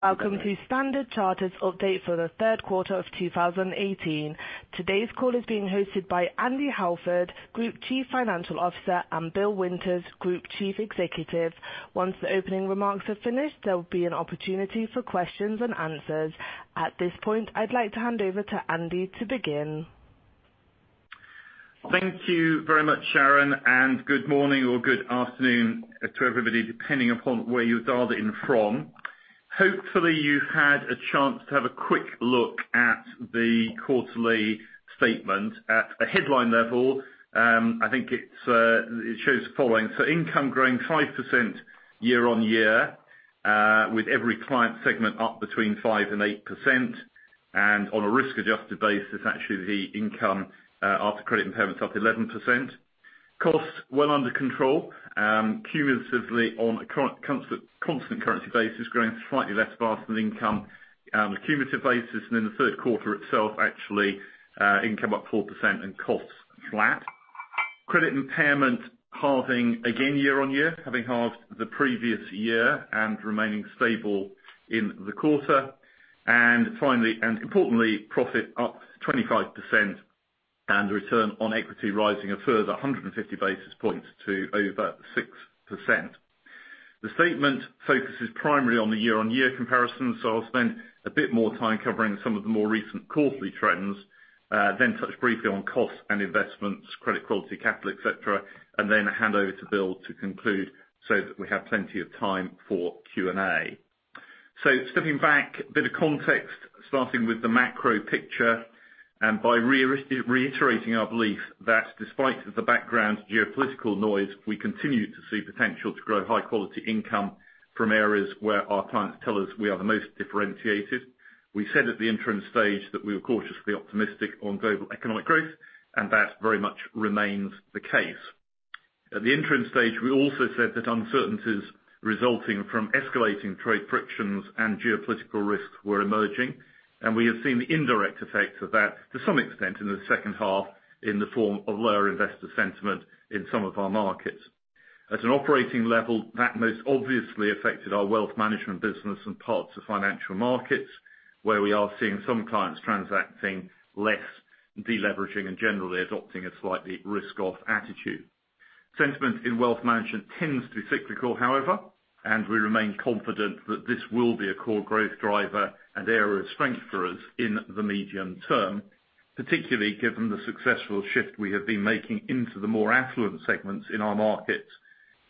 Welcome to Standard Chartered's update for the third quarter of 2018. Today's call is being hosted by Andy Halford, Group Chief Financial Officer, and Bill Winters, Group Chief Executive. Once the opening remarks are finished, there will be an opportunity for questions and answers. At this point, I'd like to hand over to Andy to begin. Thank you very much, Sharon, and good morning or good afternoon to everybody, depending upon where you're dialed in from. Hopefully, you've had a chance to have a quick look at the quarterly statement. At a headline level, I think it shows the following. Income growing 5% year-on-year, with every client segment up between 5% and 8%. On a risk-adjusted basis, actually the income after credit impairment is up 11%. Costs well under control, cumulatively on a constant currency basis, growing slightly less fast than income on a cumulative basis. In the third quarter itself, actually income up 4% and costs flat. Credit impairment halving again year-on-year, having halved the previous year and remaining stable in the quarter. Importantly, profit up 25% and return on equity rising a further 150 basis points to over 6%. The statement focuses primarily on the year-on-year comparison, I'll spend a bit more time covering some of the more recent quarterly trends, then touch briefly on costs and investments, credit quality, capital, et cetera. Then hand over to Bill to conclude so that we have plenty of time for Q&A. Stepping back, a bit of context, starting with the macro picture, by reiterating our belief that despite the background geopolitical noise, we continue to see potential to grow high-quality income from areas where our clients tell us we are the most differentiated. We said at the interim stage that we were cautiously optimistic on global economic growth, and that very much remains the case. At the interim stage, we also said that uncertainties resulting from escalating trade frictions and geopolitical risks were emerging, and we have seen the indirect effects of that to some extent in the second half in the form of lower investor sentiment in some of our markets. At an operating level, that most obviously affected our wealth management business and parts of financial markets, where we are seeing some clients transacting less, deleveraging, and generally adopting a slightly risk-off attitude. Sentiment in wealth management tends to be cyclical, however, and we remain confident that this will be a core growth driver and area of strength for us in the medium term, particularly given the successful shift we have been making into the more affluent segments in our markets,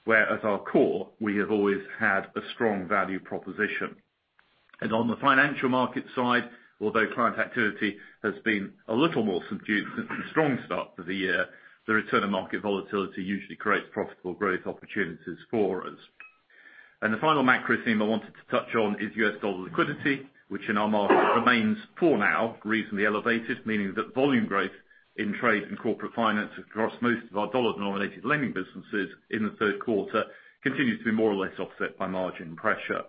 where at our core, we have always had a strong value proposition. On the financial market side, although client activity has been a little more subdued since the strong start to the year, the return of market volatility usually creates profitable growth opportunities for us. The final macro theme I wanted to touch on is US dollar liquidity, which in our market remains, for now, reasonably elevated. Meaning that volume growth in trade and corporate finance across most of our dollar-denominated lending businesses in the third quarter continues to be more or less offset by margin pressure.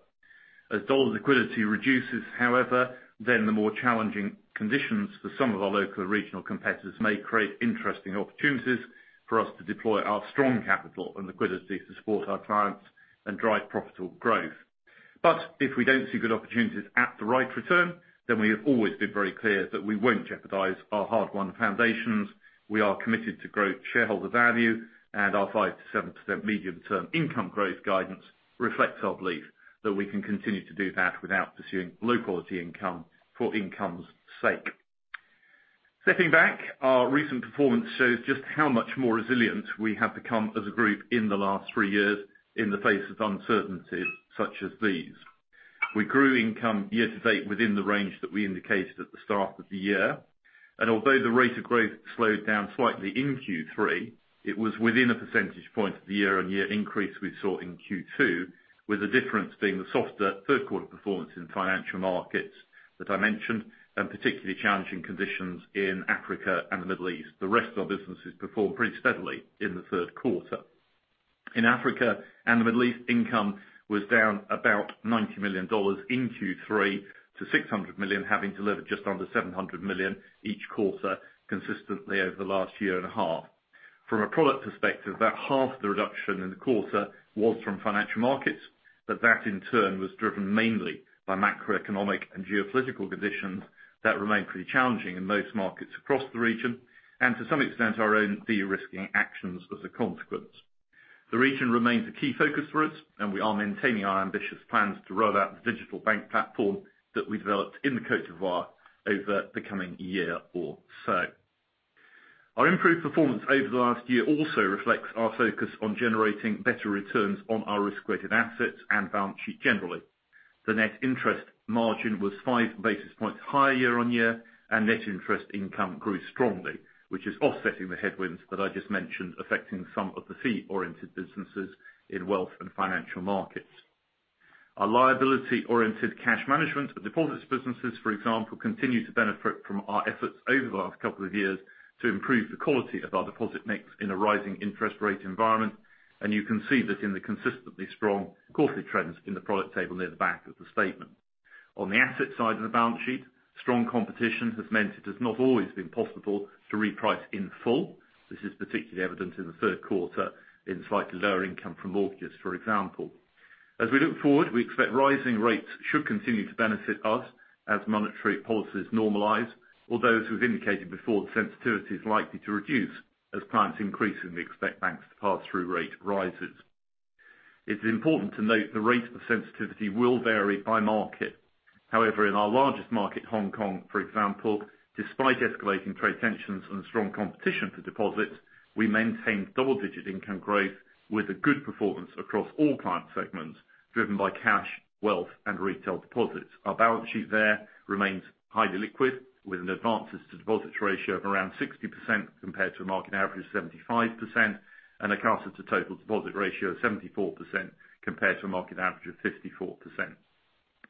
As dollar liquidity reduces, however, the more challenging conditions for some of our local regional competitors may create interesting opportunities for us to deploy our strong capital and liquidity to support our clients and drive profitable growth. If we don't see good opportunities at the right return, then we have always been very clear that we won't jeopardize our hard-won foundations. We are committed to grow shareholder value and our 5%-7% medium-term income growth guidance reflects our belief that we can continue to do that without pursuing low-quality income for income's sake. Stepping back, our recent performance shows just how much more resilient we have become as a group in the last three years in the face of uncertainty such as these. We grew income year to date within the range that we indicated at the start of the year. Although the rate of growth slowed down slightly in Q3, it was within a percentage point of the year-on-year increase we saw in Q2, with the difference being the softer third quarter performance in financial markets that I mentioned, and particularly challenging conditions in Africa and the Middle East. The rest of our businesses performed pretty steadily in the third quarter. In Africa and the Middle East, income was down about $90 million in Q3 to $600 million, having delivered just under $700 million each quarter consistently over the last year and a half. From a product perspective, about half the reduction in the quarter was from financial markets, but that in turn was driven mainly by macroeconomic and geopolitical conditions that remain pretty challenging in most markets across the region, and to some extent, our own de-risking actions as a consequence. The region remains a key focus for us, and we are maintaining our ambitious plans to roll out the digital bank platform that we developed in the Côte d'Ivoire over the coming year or so. Our improved performance over the last year also reflects our focus on generating better returns on our risk-weighted assets and balance sheet generally. The net interest margin was five basis points higher year-on-year, net interest income grew strongly, which is offsetting the headwinds that I just mentioned affecting some of the fee-oriented businesses in wealth and financial markets. Our liability-oriented cash management deposits businesses, for example, continue to benefit from our efforts over the last couple of years to improve the quality of our deposit mix in a rising interest rate environment. You can see that in the consistently strong quarterly trends in the product table near the back of the statement. On the asset side of the balance sheet. Strong competition has meant it has not always been possible to reprice in full. This is particularly evident in the third quarter in slightly lower income from mortgages, for example. As we look forward, we expect rising rates should continue to benefit us as monetary policies normalize. As we've indicated before, the sensitivity is likely to reduce as clients increasingly expect banks to pass through rate rises. It's important to note the rate of sensitivity will vary by market. In our largest market, Hong Kong, for example, despite escalating trade tensions and strong competition for deposits, we maintained double-digit income growth with a good performance across all client segments, driven by cash, wealth, and retail deposits. Our balance sheet there remains highly liquid, with an advances to deposits ratio of around 60% compared to a market average of 75%, and a cash to total deposit ratio of 74% compared to a market average of 54%.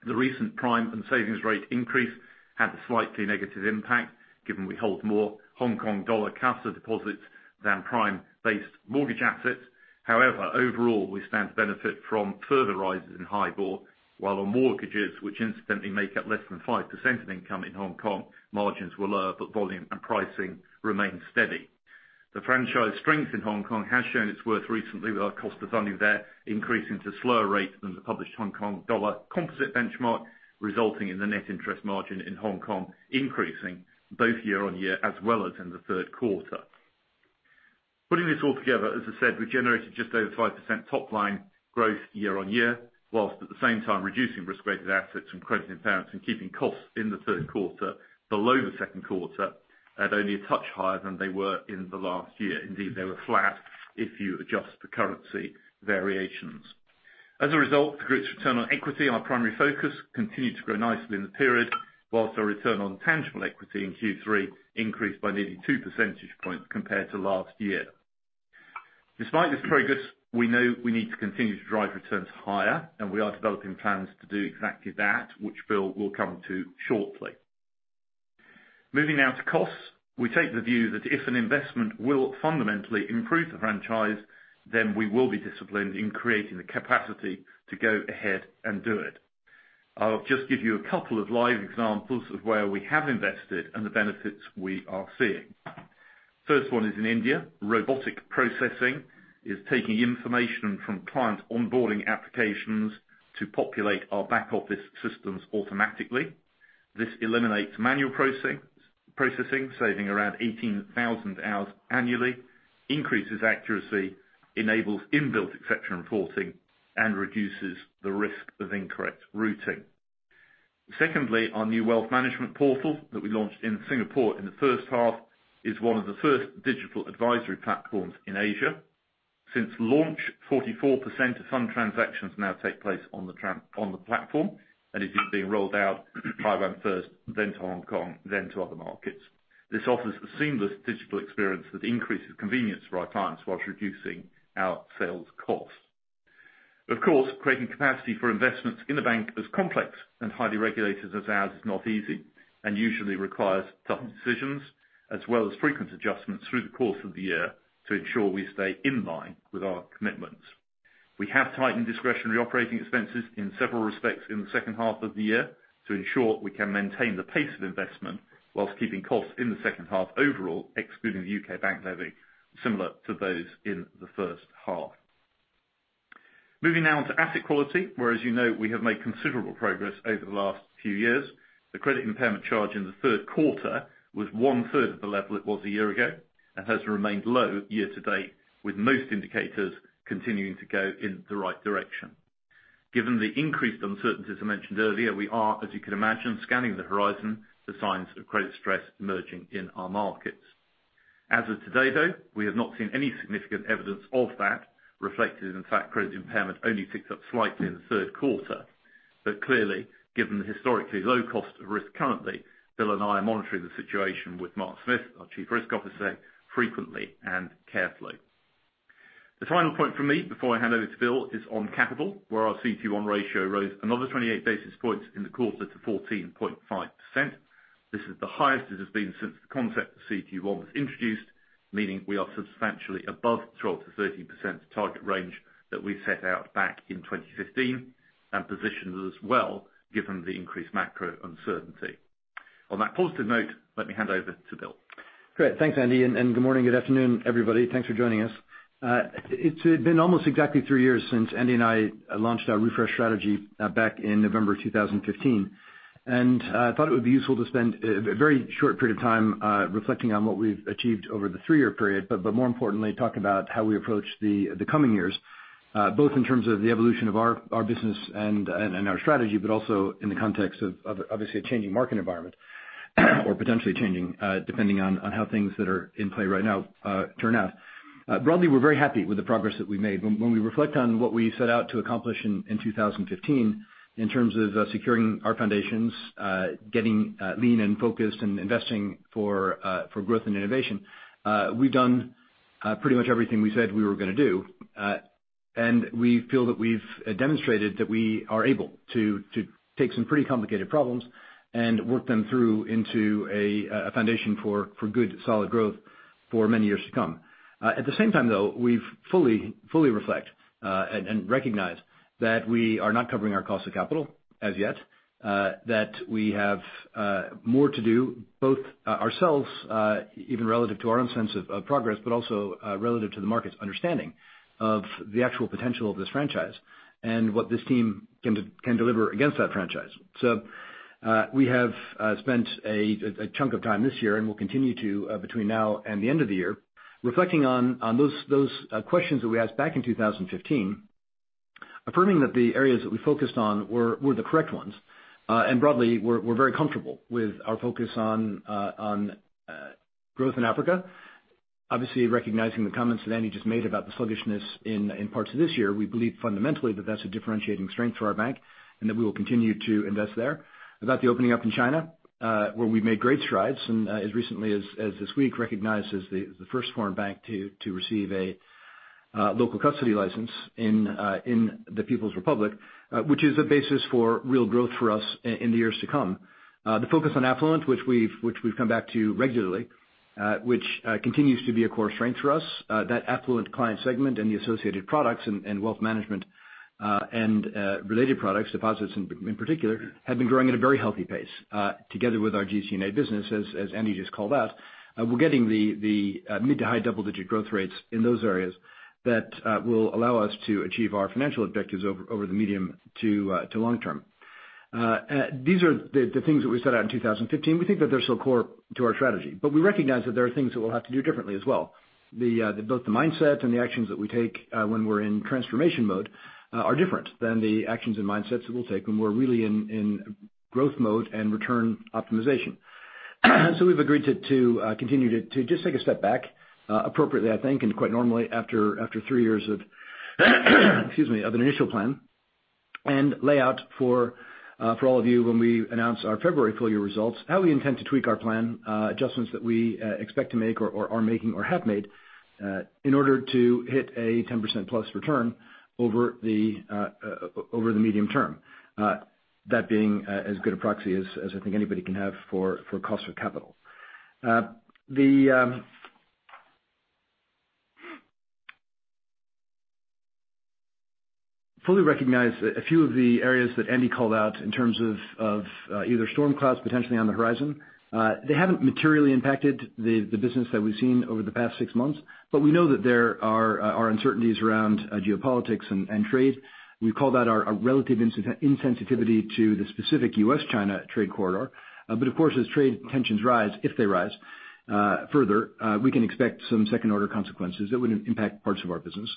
The recent prime and savings rate increase had a slightly negative impact given we hold more Hong Kong dollar cash deposits than prime-based mortgage assets. Overall, we stand to benefit from further rises in HIBOR, while on mortgages, which incidentally make up less than 5% of income in Hong Kong, margins were lower, but volume and pricing remained steady. The franchise strength in Hong Kong has shown its worth recently, with our cost of funding there increasing to slower rates than the published Hong Kong dollar composite benchmark, resulting in the net interest margin in Hong Kong increasing both year-on-year as well as in the third quarter. Putting this all together, as I said, we generated just over 5% top-line growth year-on-year, whilst at the same time reducing risk-weighted assets from credit impairments and keeping costs in the third quarter below the second quarter at only a touch higher than they were in the last year. Indeed, they were flat, if you adjust for currency variations. The group's return on equity, our primary focus, continued to grow nicely in the period, whilst our return on tangible equity in Q3 increased by nearly two percentage points compared to last year. Despite this progress, we know we need to continue to drive returns higher, and we are developing plans to do exactly that, which Bill will come to shortly. Moving now to costs. We take the view that if an investment will fundamentally improve the franchise, then we will be disciplined in creating the capacity to go ahead and do it. I'll just give you a couple of live examples of where we have invested and the benefits we are seeing. First one is in India. Robotic processing is taking information from client onboarding applications to populate our back office systems automatically. This eliminates manual processing, saving around 18,000 hours annually, increases accuracy, enables inbuilt exception reporting, and reduces the risk of incorrect routing. Secondly, our new wealth management portal that we launched in Singapore in the first half is one of the first digital advisory platforms in Asia. Since launch, 44% of fund transactions now take place on the platform, and it is being rolled out Taiwan first, then to Hong Kong, then to other markets. This offers a seamless digital experience that increases convenience for our clients whilst reducing our sales cost. Creating capacity for investments in a bank as complex and highly regulated as ours is not easy, and usually requires tough decisions as well as frequent adjustments through the course of the year to ensure we stay in line with our commitments. We have tightened discretionary operating expenses in several respects in the second half of the year to ensure we can maintain the pace of investment whilst keeping costs in the second half overall, excluding the U.K. bank levy, similar to those in the first half. Moving now to asset quality, where as you know we have made considerable progress over the last few years. The credit impairment charge in the third quarter was one-third of the level it was a year ago and has remained low year to date, with most indicators continuing to go in the right direction. Given the increased uncertainties I mentioned earlier, we are, as you can imagine, scanning the horizon for signs of credit stress emerging in our markets. As of today, though, we have not seen any significant evidence of that reflected. In fact, credit impairment only ticked up slightly in the third quarter. Clearly, given the historically low cost of risk currently, Bill and I are monitoring the situation with Mark Smith, our Chief Risk Officer, frequently and carefully. The final point from me before I hand over to Bill is on capital, where our CET1 ratio rose another 28 basis points in the quarter to 14.5%. This is the highest it has been since the concept of CET1 was introduced, meaning we are substantially above the 12%-13% target range that we set out back in 2015 and positions us well given the increased macro uncertainty. On that positive note, let me hand over to Bill. Great. Thanks, Andy, and good morning, good afternoon, everybody. Thanks for joining us. It's been almost exactly three years since Andy and I launched our Refresh strategy back in November 2015. I thought it would be useful to spend a very short period of time reflecting on what we've achieved over the three-year period. More importantly, talk about how we approach the coming years, both in terms of the evolution of our business and our strategy, but also in the context of obviously a changing market environment or potentially changing depending on how things that are in play right now turn out. Broadly, we're very happy with the progress that we've made. When we reflect on what we set out to accomplish in 2015 in terms of securing our foundations, getting lean and focused and investing for growth and innovation. We've done pretty much everything we said we were going to do. We feel that we've demonstrated that we are able to take some pretty complicated problems and work them through into a foundation for good, solid growth for many years to come. At the same time, though, we fully reflect and recognize that we are not covering our cost of capital as yet, that we have more to do, both ourselves, even relative to our own sense of progress, but also relative to the market's understanding of the actual potential of this franchise and what this team can deliver against that franchise. We have spent a chunk of time this year, and will continue to between now and the end of the year, reflecting on those questions that we asked back in 2015, affirming that the areas that we focused on were the correct ones. Broadly, we're very comfortable with our focus on growth in Africa. Obviously, recognizing the comments that Andy just made about the sluggishness in parts of this year. We believe fundamentally that that's a differentiating strength for our bank and that we will continue to invest there. About the opening up in China, where we've made great strides, and as recently as this week, recognized as the first foreign bank to receive a local custody license in the People's Republic, which is a basis for real growth for us in the years to come. The focus on affluent, which we've come back to regularly, which continues to be a core strength for us. That affluent client segment and the associated products in wealth management and related products, deposits in particular, have been growing at a very healthy pace, together with our GCNA business, as Andy just called out. We're getting the mid to high double-digit growth rates in those areas that will allow us to achieve our financial objectives over the medium to long term. These are the things that we set out in 2015. We think that they're still core to our strategy, but we recognize that there are things that we'll have to do differently as well. Both the mindset and the actions that we take when we're in transformation mode are different than the actions and mindsets that we'll take when we're really in growth mode and return optimization. We've agreed to continue to just take a step back, appropriately, I think, and quite normally after three years of, excuse me, an initial plan, and lay out for all of you when we announce our February full-year results, how we intend to tweak our plan, adjustments that we expect to make or are making or have made, in order to hit a 10% plus return over the medium term. That being as good a proxy as I think anybody can have for cost of capital. Fully recognize a few of the areas that Andy called out in terms of either storm clouds potentially on the horizon. They haven't materially impacted the business that we've seen over the past six months, but we know that there are uncertainties around geopolitics and trade. We call that our relative insensitivity to the specific U.S.-China trade corridor. Of course, as trade tensions rise, if they rise further, we can expect some second-order consequences that would impact parts of our business.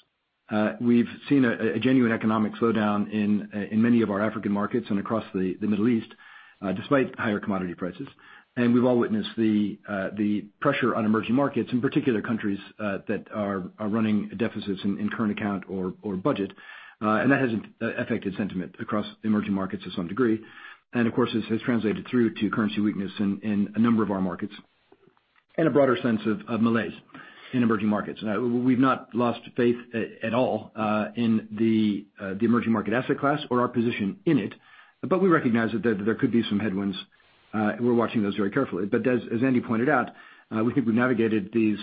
We've seen a genuine economic slowdown in many of our African markets and across the Middle East, despite higher commodity prices. We've all witnessed the pressure on emerging markets, in particular, countries that are running deficits in current account or budget. That has affected sentiment across emerging markets to some degree. Of course, this has translated through to currency weakness in a number of our markets, and a broader sense of malaise in emerging markets. We've not lost faith at all in the emerging market asset class or our position in it, but we recognize that there could be some headwinds, and we're watching those very carefully. As Andy pointed out, we think we've navigated the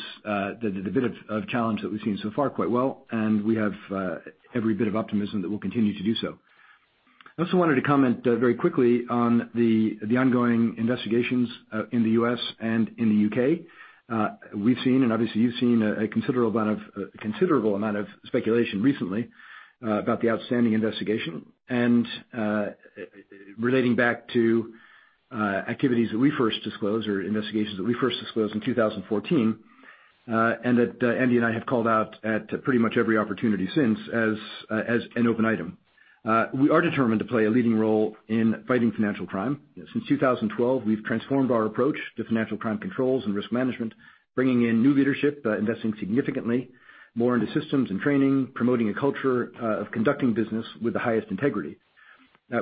bit of challenge that we've seen so far quite well, and we have every bit of optimism that we'll continue to do so. I also wanted to comment very quickly on the ongoing investigations in the U.S. and in the U.K. We've seen, and obviously you've seen, a considerable amount of speculation recently about the outstanding investigation, and relating back to activities that we first disclosed or investigations that we first disclosed in 2014, and that Andy and I have called out at pretty much every opportunity since as an open item. We are determined to play a leading role in fighting financial crime. Since 2012, we've transformed our approach to financial crime controls and risk management, bringing in new leadership, investing significantly more into systems and training, promoting a culture of conducting business with the highest integrity. In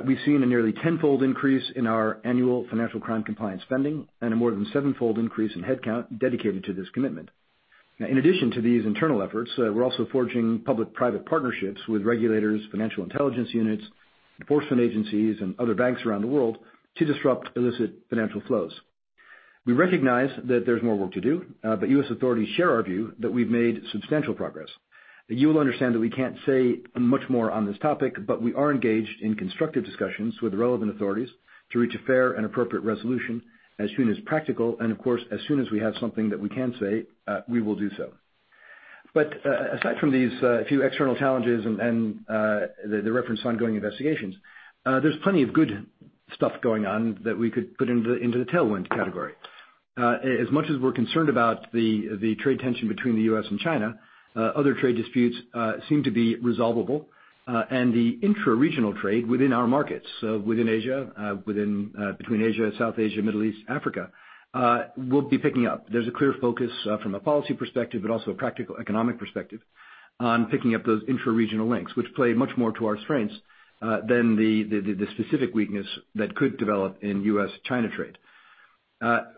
addition to these internal efforts, we're also forging public-private partnerships with regulators, financial intelligence units, enforcement agencies, and other banks around the world to disrupt illicit financial flows. We recognize that there's more work to do, but U.S. authorities share our view that we've made substantial progress. You will understand that we can't say much more on this topic, but we are engaged in constructive discussions with relevant authorities to reach a fair and appropriate resolution as soon as practical, and of course, as soon as we have something that we can say, we will do so. Aside from these few external challenges and the reference to ongoing investigations, there's plenty of good stuff going on that we could put into the tailwind category. As much as we're concerned about the trade tension between the U.S. and China, other trade disputes seem to be resolvable, and the intra-regional trade within our markets, within Asia, between Asia, South Asia, Middle East, Africa, will be picking up. There's a clear focus from a policy perspective, but also a practical economic perspective on picking up those intra-regional links, which play much more to our strengths than the specific weakness that could develop in U.S.-China trade.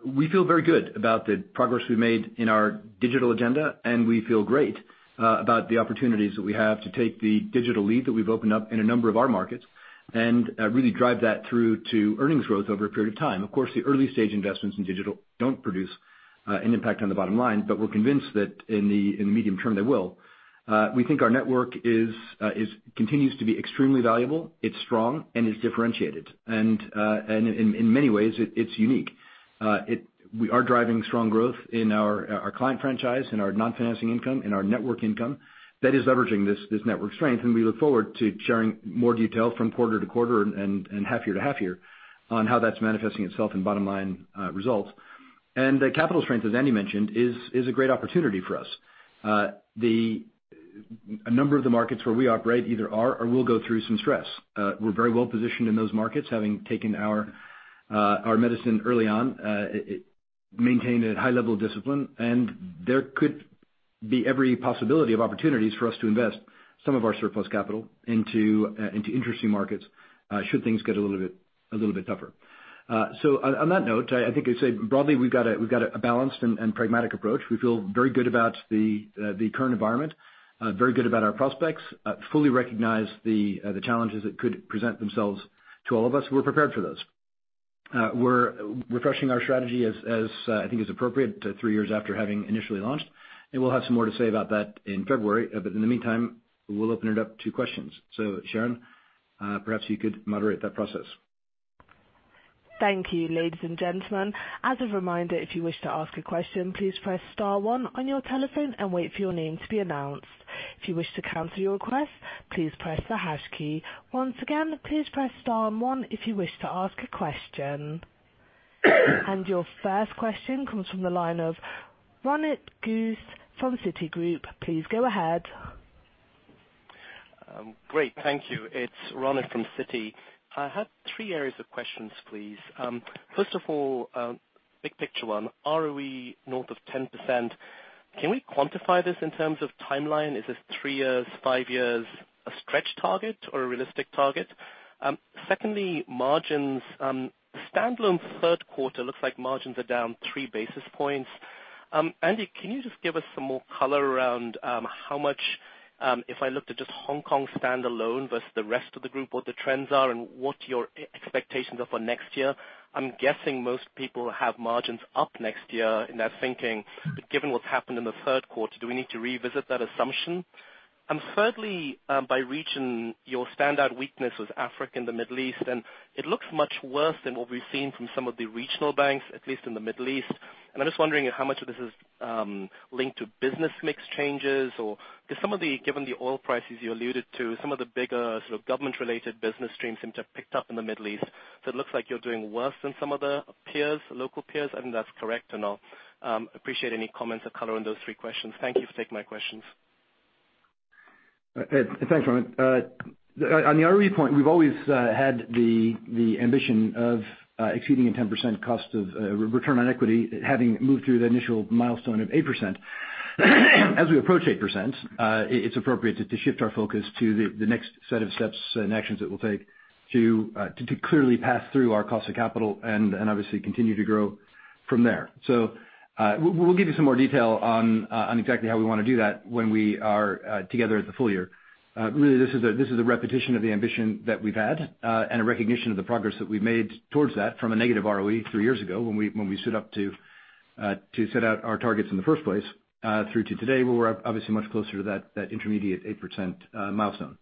We feel very good about the progress we've made in our digital agenda, and we feel great about the opportunities that we have to take the digital lead that we've opened up in a number of our markets and really drive that through to earnings growth over a period of time. Of course, the early-stage investments in digital don't produce an impact on the bottom line, but we're convinced that in the medium-term they will. We think our network continues to be extremely valuable. It's strong and it's differentiated. And in many ways, it's unique. We are driving strong growth in our client franchise, in our non-financing income, in our network income. That is leveraging this network strength, and we look forward to sharing more details from quarter to quarter and half year to half year on how that's manifesting itself in bottom-line results. The capital strength, as Andy mentioned, is a great opportunity for us. A number of the markets where we operate either are or will go through some stress. We're very well-positioned in those markets, having taken our medicine early on. It maintained a high level of discipline, and there could be every possibility of opportunities for us to invest some of our surplus capital into interesting markets, should things get a little bit tougher. On that note, I think I'd say broadly, we've got a balanced and pragmatic approach. We feel very good about the current environment, very good about our prospects, fully recognize the challenges that could present themselves to all of us. We're prepared for those. We're refreshing our strategy as I think is appropriate, three years after having initially launched. We'll have some more to say about that in February. In the meantime, we'll open it up to questions. Sharon, perhaps you could moderate that process. Thank you, ladies and gentlemen. As a reminder, if you wish to ask a question, please press star one on your telephone and wait for your name to be announced. If you wish to cancel your request, please press the hash key. Once again, please press star and one if you wish to ask a question. Your first question comes from the line of Ronit Ghose from Citigroup. Please go ahead. Great. Thank you. It's Ronit from Citi. I had three areas of questions, please. First of all, big picture one, ROE north of 10%. Can we quantify this in terms of timeline? Is this three years, five years, a stretch target or a realistic target? Secondly, margins. Standalone third quarter looks like margins are down three basis points. Andy, can you just give us some more color around how much, if I looked at just Hong Kong standalone versus the rest of the group, what the trends are and what your expectations are for next year? I'm guessing most people have margins up next year in their thinking. Given what's happened in the third quarter, do we need to revisit that assumption? Thirdly, by region, your standout weakness was Africa and the Middle East, and it looks much worse than what we've seen from some of the regional banks, at least in the Middle East. I'm just wondering how much of this is linked to business mix changes or given the oil prices you alluded to, some of the bigger government-related business streams seem to have picked up in the Middle East. It looks like you're doing worse than some of the local peers. I don't know if that's correct or not. Appreciate any comments or color on those three questions. Thank you for taking my questions. Thanks, Ronit. On the ROE point, we've always had the ambition of exceeding a 10% return on equity, having moved through the initial milestone of 8%. As we approach 8%, it's appropriate to shift our focus to the next set of steps and actions that we'll take to clearly pass through our cost of capital and obviously continue to grow from there. We'll give you some more detail on exactly how we want to do that when we are together at the full year. Really, this is a repetition of the ambition that we've had and a recognition of the progress that we've made towards that from a negative ROE three years ago when we stood up to set out our targets in the first place through to today, where we're obviously much closer to that intermediate 8% milestone.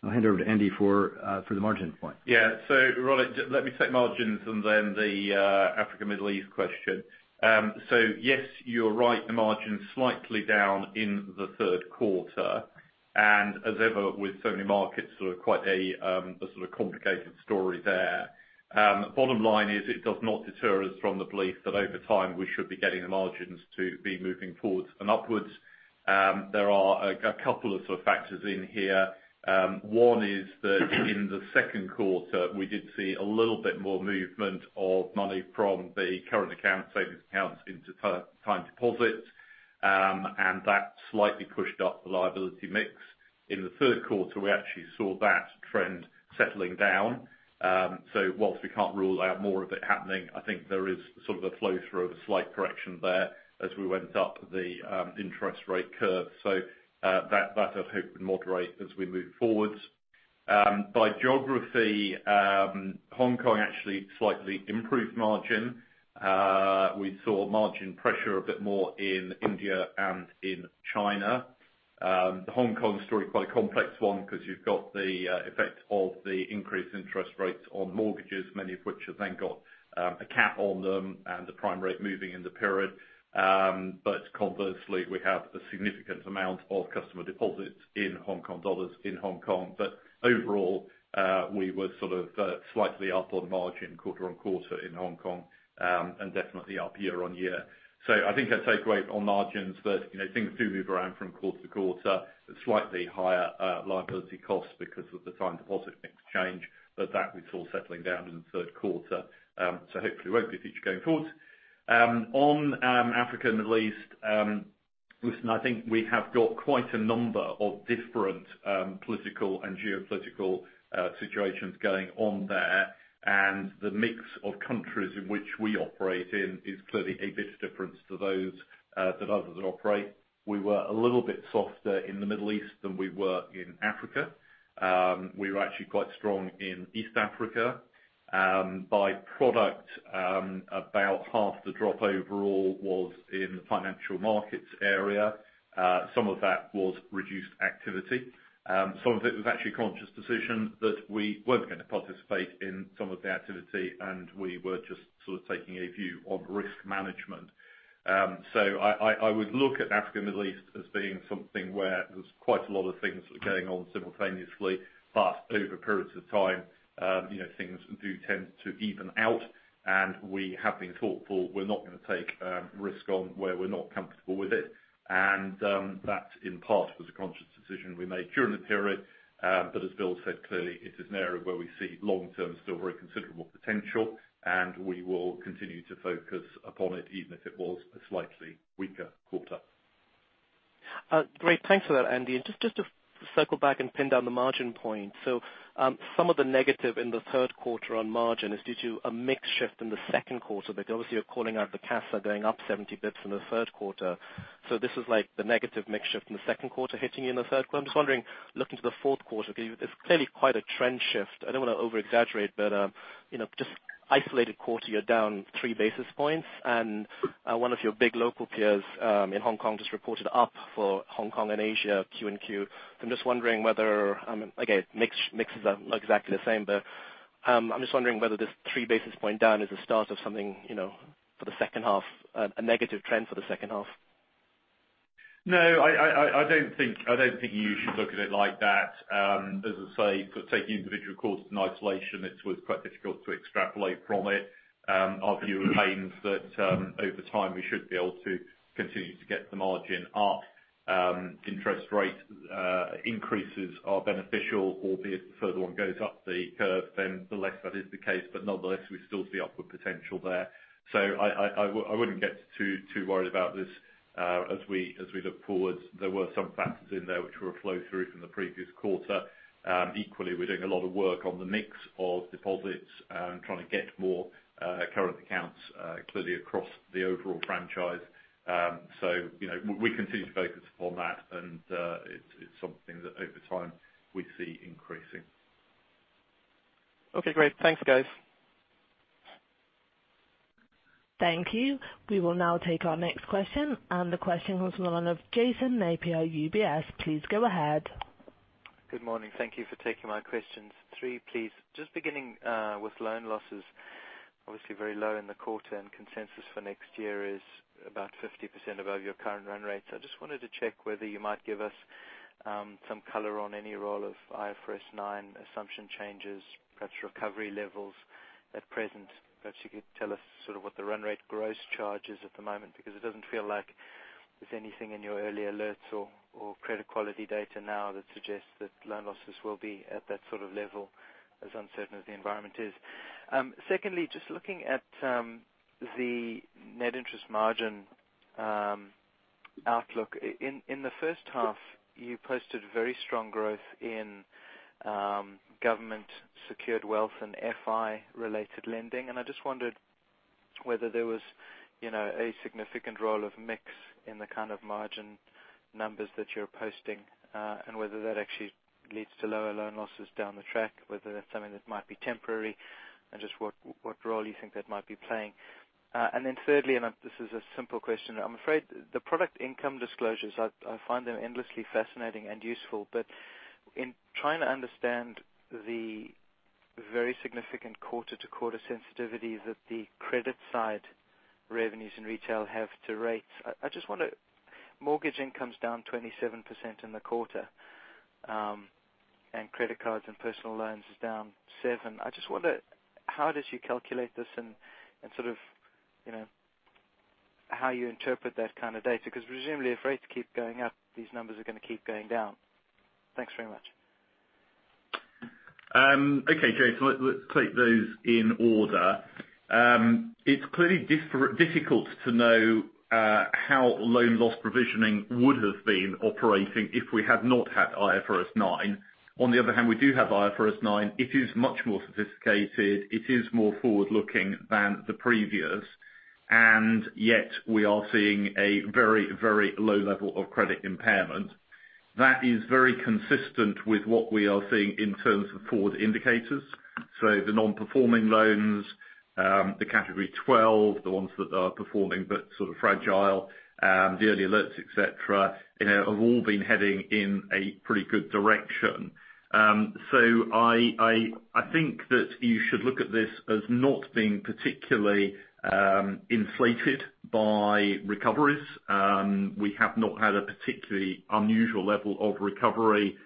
I'll hand over to Andy for the margin point. Ronit, let me take margins and then the Africa, Middle East question. Yes, you're right, the margin's slightly down in the third quarter. As ever with so many markets, quite a sort of complicated story there. Bottom line is it does not deter us from the belief that over time, we should be getting the margins to be moving forwards and upwards. There are a couple of factors in here. One is that in the second quarter, we did see a little bit more movement of money from the current account savings accounts into time deposits. That slightly pushed up the liability mix. In the third quarter, we actually saw that trend settling down. Whilst we can't rule out more of it happening, I think there is sort of a flow-through of a slight correction there as we went up the interest rate curve. That I hope would moderate as we move forwards. By geography, Hong Kong actually slightly improved margin. We saw margin pressure a bit more in India and in China. The Hong Kong story, quite a complex one because you've got the effect of the increased interest rates on mortgages, many of which have then got a cap on them and the prime rate moving in the period. Conversely, we have a significant amount of customer deposits in HKD in Hong Kong. Overall, we were sort of slightly up on margin quarter-on-quarter in Hong Kong, and definitely up year-on-year. I think I'd say, great on margins, but things do move around from quarter to quarter at slightly higher liability costs because of the time deposit mix change. That we saw settling down in the third quarter. Hopefully it won't be a feature going forward. On Africa and Middle East. Listen, I think we have got quite a number of different political and geopolitical situations going on there, and the mix of countries in which we operate in is clearly a bit different to those that others operate. We were a little bit softer in the Middle East than we were in Africa. We were actually quite strong in East Africa. By product, about half the drop overall was in the financial markets area. Some of that was reduced activity. Some of it was actually a conscious decision that we weren't going to participate in some of the activity, and we were just taking a view on risk management. I would look at Africa and Middle East as being something where there's quite a lot of things going on simultaneously. Over periods of time, things do tend to even out. We have been thoughtful. We're not going to take risk on where we're not comfortable with it. That, in part, was a conscious decision we made during the period. As Bill said, clearly it is an area where we see long-term still very considerable potential, and we will continue to focus upon it, even if it was a slightly weaker quarter. Great. Thanks for that, Andy. Just to circle back and pin down the margin point. Some of the negative in the third quarter on margin is due to a mix shift in the second quarter, because obviously you're calling out the CASA going up 70 basis points from the third quarter. This is like the negative mix shift in the second quarter hitting you in the third quarter. I'm just wondering, looking to the fourth quarter, because it's clearly quite a trend shift. I don't want to over-exaggerate, but just isolated quarter, you're down three basis points and one of your big local peers in Hong Kong just reported up for Hong Kong and Asia Q and Q. I'm just wondering whether, again, mixes are not exactly the same, but I'm just wondering whether this three basis point down is the start of something for the second half, a negative trend for the second half. No, I don't think you should look at it like that. As I say, taking individual quarters in isolation, it was quite difficult to extrapolate from it. Our view remains that over time, we should be able to continue to get the margin up. Interest rate increases are beneficial, albeit the further one goes up the curve, then the less that is the case. Nonetheless, we still see upward potential there. I wouldn't get too worried about this as we look forward. There were some factors in there which were a flow-through from the previous quarter. Equally, we're doing a lot of work on the mix of deposits and trying to get more current accounts clearly across the overall franchise. We continue to focus upon that, and it's something that over time we see increasing. Okay, great. Thanks, guys. Thank you. We will now take our next question, and the question comes from the line of Jason Napier, UBS. Please go ahead. Good morning. Thank you for taking my questions. Three, please. Just beginning with loan losses, obviously very low in the quarter, and consensus for next year is about 50% above your current run rate. I just wanted to check whether you might give us some color on any role of IFRS 9 assumption changes, perhaps recovery levels at present. Perhaps you could tell us sort of what the run rate gross charge is at the moment, because it doesn't feel like there's anything in your early alerts or credit quality data now that suggests that loan losses will be at that sort of level, as uncertain as the environment is. Secondly, just looking at the net interest margin outlook. In the first half, you posted very strong growth in government secured wealth and FI related lending. I just wondered whether there was a significant role of mix in the kind of margin numbers that you're posting, and whether that actually leads to lower loan losses down the track, whether that's something that might be temporary, and just what role you think that might be playing. Thirdly, this is a simple question. I'm afraid the product income disclosures, I find them endlessly fascinating and useful. In trying to understand the very significant quarter-to-quarter sensitivity that the credit side revenues in retail have to rates. Mortgage income's down 27% in the quarter, and credit cards and personal loans is down seven. I just wonder how does you calculate this and sort of how you interpret that kind of data? Because presumably if rates keep going up, these numbers are going to keep going down. Thanks very much. Okay, Jason, let's take those in order. It's clearly difficult to know how loan loss provisioning would have been operating if we had not had IFRS 9. On the other hand, we do have IFRS 9. It is much more sophisticated. It is more forward-looking than the previous. Yet we are seeing a very low level of credit impairment. That is very consistent with what we are seeing in terms of forward indicators. The non-performing loans The category 12, the ones that are performing but sort of fragile, the early alerts, et cetera, have all been heading in a pretty good direction. I think that you should look at this as not being particularly inflated by recoveries. We have not had a particularly unusual level of recovery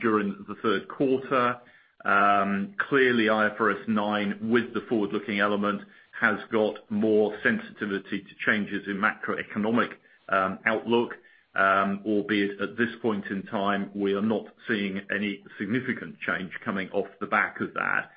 during the third quarter. Clearly, IFRS 9, with the forward-looking element, has got more sensitivity to changes in macroeconomic outlook. Albeit, at this point in time, we are not seeing any significant change coming off the back of that.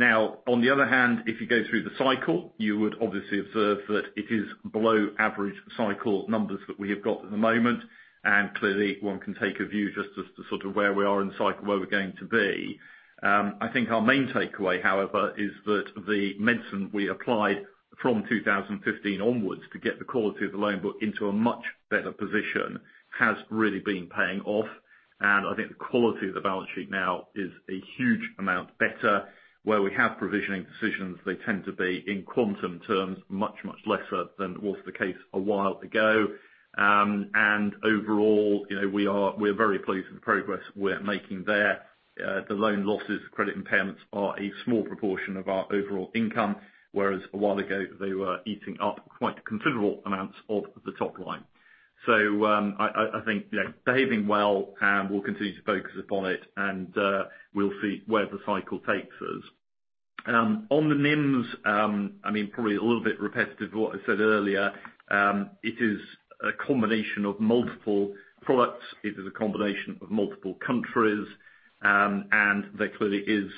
On the other hand, if you go through the cycle, you would obviously observe that it is below average cycle numbers that we have got at the moment, and clearly one can take a view just as to where we are in the cycle, where we're going to be. I think our main takeaway, however, is that the medicine we applied from 2015 onwards to get the quality of the loan book into a much better position has really been paying off, and I think the quality of the balance sheet now is a huge amount better. Where we have provisioning decisions, they tend to be, in quantum terms, much, much lesser than was the case a while ago. Overall, we are very pleased with the progress we're making there. The loan losses, credit impairments are a small proportion of our overall income, whereas a while ago, they were eating up quite considerable amounts of the top line. I think behaving well, and we'll continue to focus upon it, and we'll see where the cycle takes us. On the NIMs, probably a little bit repetitive of what I said earlier. It is a combination of multiple products, it is a combination of multiple countries, and there clearly is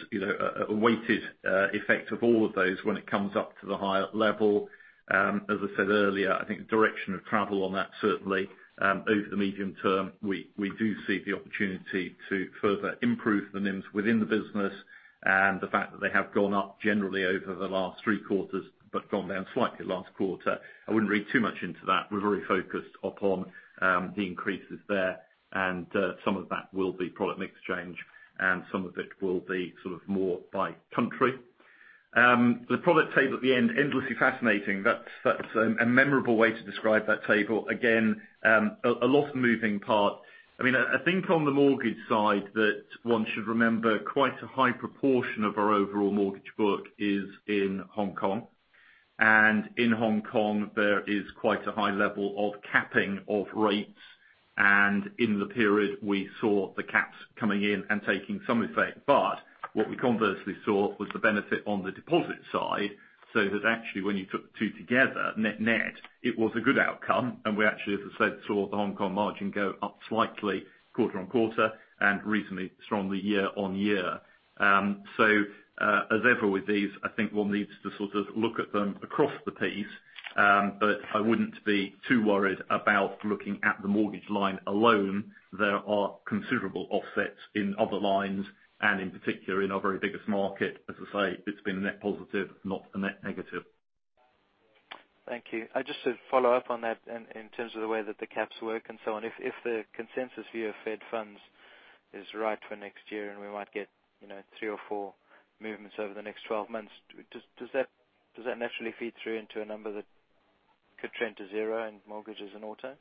a weighted effect of all of those when it comes up to the higher level. As I said earlier, I think the direction of travel on that, certainly over the medium term, we do see the opportunity to further improve the NIMs within the business. The fact that they have gone up generally over the last three quarters but gone down slightly last quarter, I wouldn't read too much into that. We're very focused upon the increases there, and some of that will be product mix change, and some of it will be more by country. The product table at the end, endlessly fascinating. That's a memorable way to describe that table. Again, a lot of moving parts. I think on the mortgage side that one should remember quite a high proportion of our overall mortgage book is in Hong Kong. In Hong Kong, there is quite a high level of capping of rates, and in the period we saw the caps coming in and taking some effect. What we conversely saw was the benefit on the deposit side, so that actually when you put the two together, net-net, it was a good outcome. We actually, as I said, saw the Hong Kong margin go up slightly quarter-on-quarter and reasonably strongly year-on-year. As ever with these, I think one needs to look at them across the piece, I wouldn't be too worried about looking at the mortgage line alone. There are considerable offsets in other lines and in particular in our very biggest market. As I say, it's been a net positive, not a net negative. Thank you. Just to follow up on that in terms of the way that the caps work and so on. If the consensus view of Fed funds is right for next year and we might get three or four movements over the next 12 months, does that naturally feed through into a number that could trend to zero in mortgages and auto?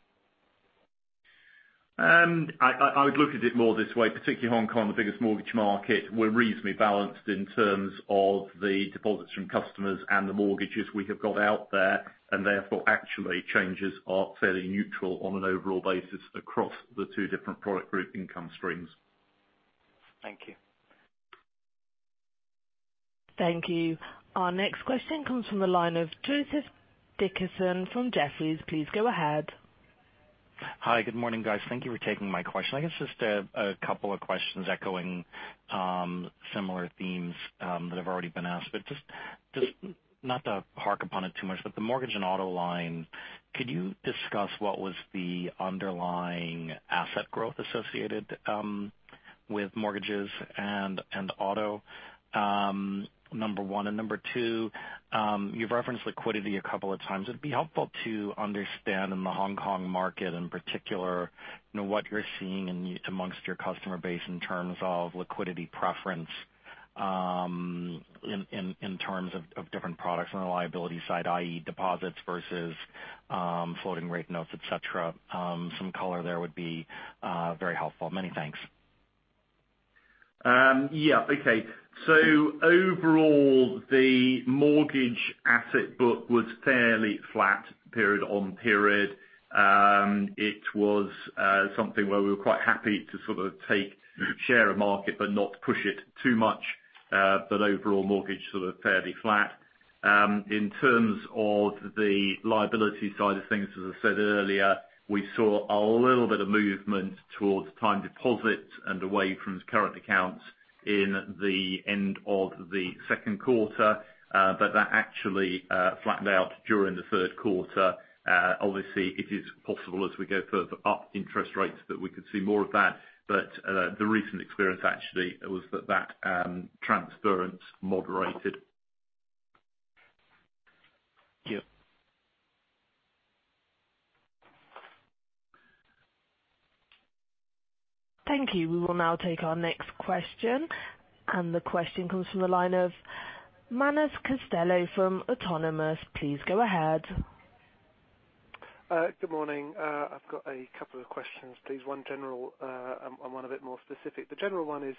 I would look at it more this way, particularly Hong Kong, the biggest mortgage market, we're reasonably balanced in terms of the deposits from customers and the mortgages we have got out there. Therefore, actually changes are fairly neutral on an overall basis across the two different product group income streams. Thank you. Thank you. Our next question comes from the line of Joseph Dickerson from Jefferies. Please go ahead. Hi, good morning, guys. Thank you for taking my question. I guess just a couple of questions echoing similar themes that have already been asked. Just not to hark upon it too much, but the mortgage and auto line, could you discuss what was the underlying asset growth associated with mortgages and auto? Number one. Number two, you've referenced liquidity a couple of times. It'd be helpful to understand in the Hong Kong market in particular, what you're seeing amongst your customer base in terms of liquidity preference in terms of different products on the liability side, i.e. deposits versus floating rate notes, et cetera. Some color there would be very helpful. Many thanks. Yeah. Okay. Overall, the mortgage asset book was fairly flat period on period. It was something where we were quite happy to take share of market but not push it too much. Overall mortgage sort of fairly flat. In terms of the liability side of things, as I said earlier, we saw a little bit of movement towards time deposits and away from current accounts in the end of the second quarter. That actually flattened out during the third quarter. Obviously it is possible as we go further up interest rates that we could see more of that. The recent experience actually was that that transference moderated. Yeah Thank you. We will now take our next question. The question comes from the line of Manus Costello from Autonomous. Please go ahead. Good morning. I've got a couple of questions, please, one general and one a bit more specific. The general one is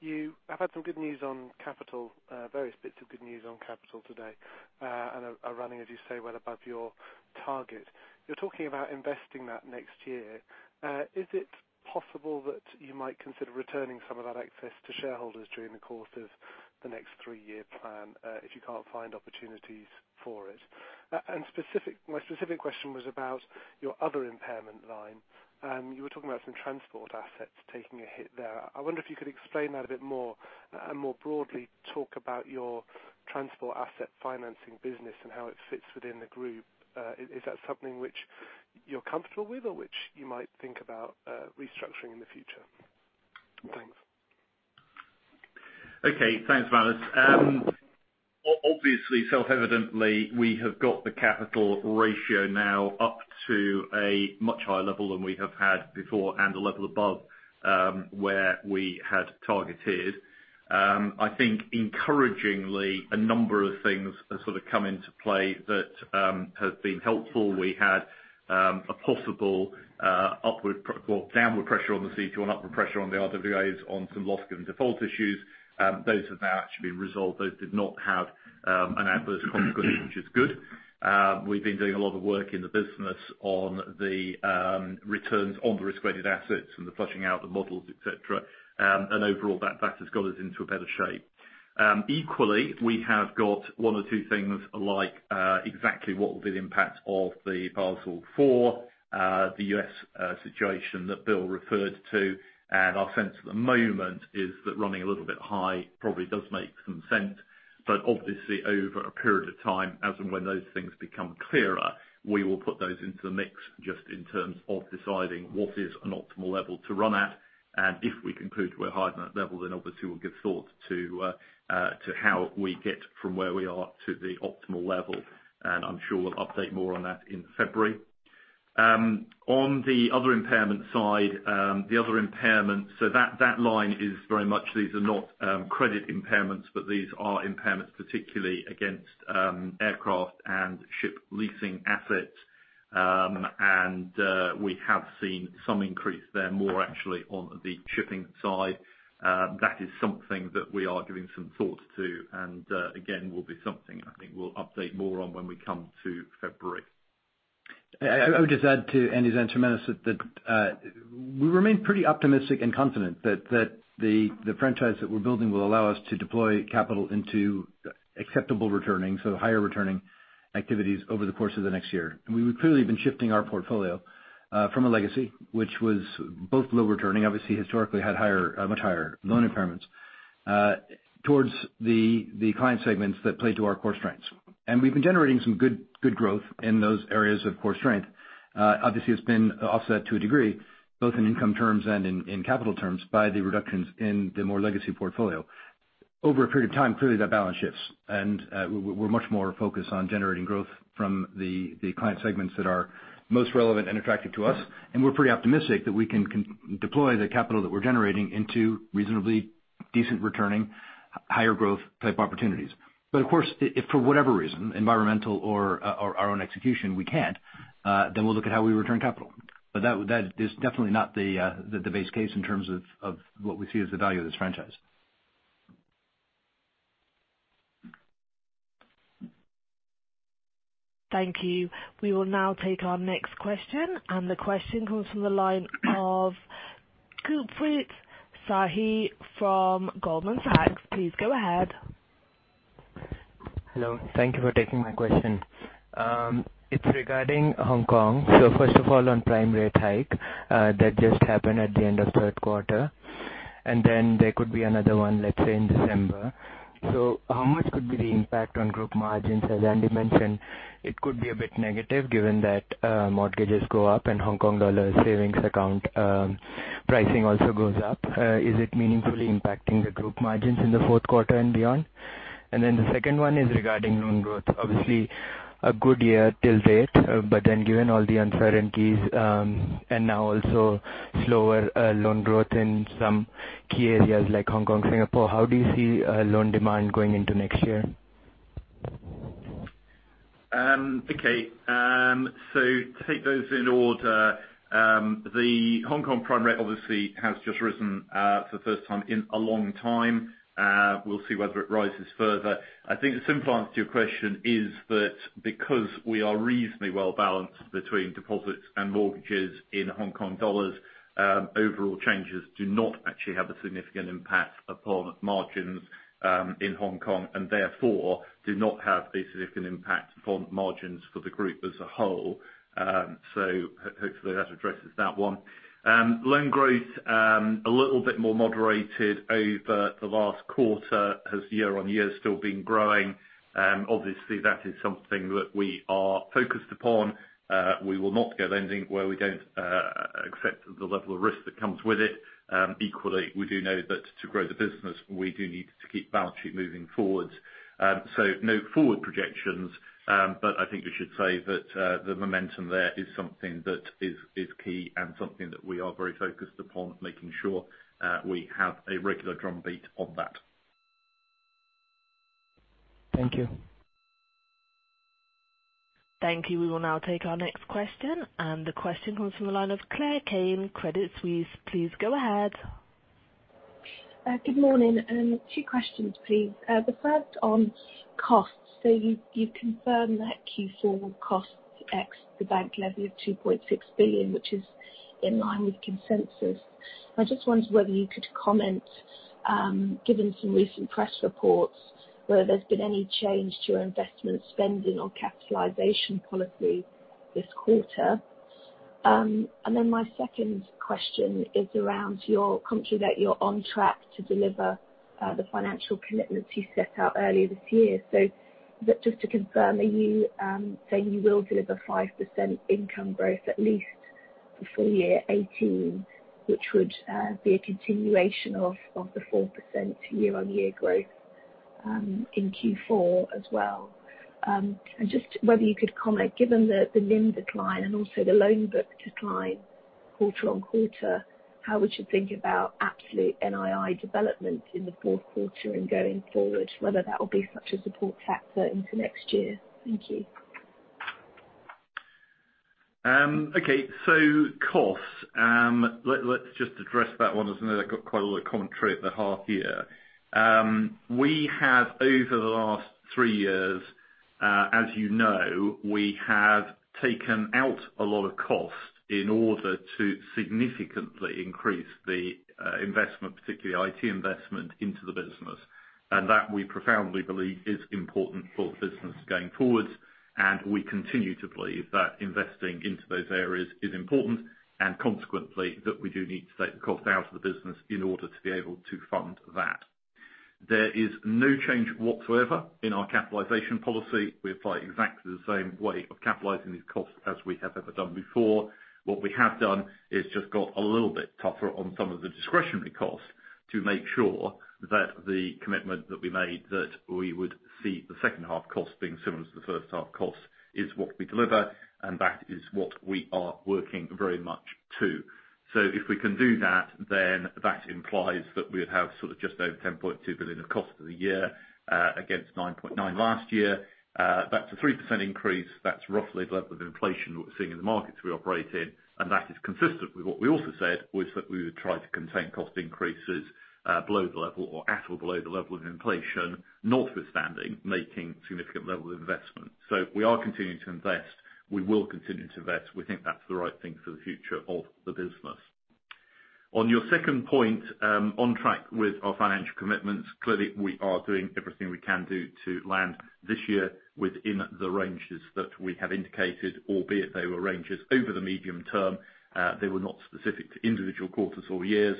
you have had some good news on capital, various bits of good news on capital today, and are running, as you say, well above your target. You're talking about investing that next year. Is it possible that you might consider returning some of that excess to shareholders during the course of the next three-year plan, if you can't find opportunities for it? My specific question was about your other impairment line. You were talking about some transport assets taking a hit there. I wonder if you could explain that a bit more, and more broadly, talk about your transport asset financing business and how it fits within the group. Is that something which you're comfortable with or which you might think about restructuring in the future? Thanks. Okay. Thanks, Manus. Obviously, self-evidently, we have got the capital ratio now up to a much higher level than we have had before and a level above where we had targeted. I think encouragingly, a number of things have come into play that have been helpful. We had a possible downward pressure on the CET1 and upward pressure on the RWAs on some loss-given default issues. Those have now actually been resolved. Those did not have an adverse consequence, which is good. We've been doing a lot of work in the business on the returns on the risk-weighted assets and the flushing out the models, et cetera. Overall that has got us into a better shape. Equally, we have got one or two things like exactly what will be the impact of the Basel IV, the U.S. situation that Bill referred to. Our sense at the moment is that running a little bit high probably does make some sense. Obviously, over a period of time, as and when those things become clearer, we will put those into the mix just in terms of deciding what is an optimal level to run at. If we conclude we're higher than that level, then obviously we'll give thought to how we get from where we are to the optimal level. I'm sure we'll update more on that in February. On the other impairment side. The other impairment, so that line is very much, these are not credit impairments, but these are impairments particularly against aircraft and ship leasing assets. We have seen some increase there, more actually on the shipping side. That is something that we are giving some thought to, and again, will be something I think we'll update more on when we come to February. I would just add to Andy's answer, Manus, that we remain pretty optimistic and confident that the franchise that we're building will allow us to deploy capital into acceptable returning, so higher returning activities over the course of the next year. We clearly have been shifting our portfolio from a legacy, which was both low returning, obviously historically had much higher loan impairments, towards the client segments that play to our core strengths. We've been generating some good growth in those areas of core strength. Obviously, it's been offset to a degree, both in income terms and in capital terms, by the reductions in the more legacy portfolio. Over a period of time, clearly that balance shifts, and we're much more focused on generating growth from the client segments that are most relevant and attractive to us. We're pretty optimistic that we can deploy the capital that we're generating into reasonably decent returning, higher growth type opportunities. Of course, if for whatever reason, environmental or our own execution, we can't, then we'll look at how we return capital. That is definitely not the base case in terms of what we see as the value of this franchise. Thank you. We will now take our next question, and the question comes from the line of Kuldeep Sahay from Goldman Sachs. Please go ahead. Hello. Thank you for taking my question. It's regarding Hong Kong. First of all, on prime rate hike, that just happened at the end of 3rd quarter. There could be another one, let's say, in December. How much could be the impact on group margins? As Andy Halford mentioned, it could be a bit negative given that mortgages go up and Hong Kong dollar savings account pricing also goes up. Is it meaningfully impacting the group margins in the 4th quarter and beyond? The second one is regarding loan growth. Obviously, a good year till date. Given all the uncertainties, and now also slower loan growth in some key areas like Hong Kong, Singapore, how do you see loan demand going into next year? Okay. Take those in order. The Hong Kong prime rate obviously has just risen for the first time in a long time. We'll see whether it rises further. I think the simple answer to your question is that because we are reasonably well balanced between deposits and mortgages in Hong Kong dollars, overall changes do not actually have a significant impact upon margins in Hong Kong, and therefore do not have a significant impact upon margins for the group as a whole. Hopefully that addresses that one. Loan growth, a little bit more moderated over the last quarter. Has year-on-year still been growing? Obviously, that is something that we are focused upon. We will not go lending where we don't accept the level of risk that comes with it. Equally, we do know that to grow the business, we do need to keep balance sheet moving forward. No forward projections, I think we should say that the momentum there is something that is key and something that we are very focused upon making sure we have a regular drumbeat on that. Thank you. Thank you. We will now take our next question. The question comes from the line of Claire Kane, Credit Suisse. Please go ahead. Good morning. Two questions, please. The first on costs. You've confirmed that Q4 costs ex the bank levy of 2.6 billion, which is in line with consensus. I just wondered whether you could comment, given some recent press reports, whether there has been any change to your investment spending or capitalization policy this quarter. My second question is around your confidence that you are on track to deliver the financial commitments you set out earlier this year. Just to confirm, are you saying you will deliver 5% income growth at least for full year 2018, which would be a continuation of the 4% year-on-year growth, in Q4 as well? Just whether you could comment, given the NIM decline and also the loan book decline quarter-on-quarter, how we should think about absolute NII development in the fourth quarter and going forward, whether that will be such a support factor into next year. Thank you. Okay. Costs. Let's just address that one as I know I got quite a lot of commentary at the half year. We have over the last three years, as you know, we have taken out a lot of cost in order to significantly increase the investment, particularly IT investment, into the business. That we profoundly believe is important for the business going forwards. We continue to believe that investing into those areas is important, and consequently, that we do need to take the cost out of the business in order to be able to fund that. There is no change whatsoever in our capitalization policy. We apply exactly the same way of capitalizing these costs as we have ever done before. What we have done is just got a little bit tougher on some of the discretionary costs to make sure that the commitment that we made, that we would see the second half costs being similar to the first half costs is what we deliver, and that is what we are working very much to. If we can do that, then that implies that we would have sort of just over $10.2 billion of cost for the year, against $9.9 billion last year. That's a 3% increase. That's roughly the level of inflation that we're seeing in the markets we operate in. That is consistent with what we also said was that we would try to contain cost increases below the level or at or below the level of inflation, notwithstanding making significant levels of investment. We are continuing to invest. We will continue to invest. We think that's the right thing for the future of the business. On your second point, on track with our financial commitments. Clearly, we are doing everything we can do to land this year within the ranges that we have indicated, albeit they were ranges over the medium term. They were not specific to individual quarters or years.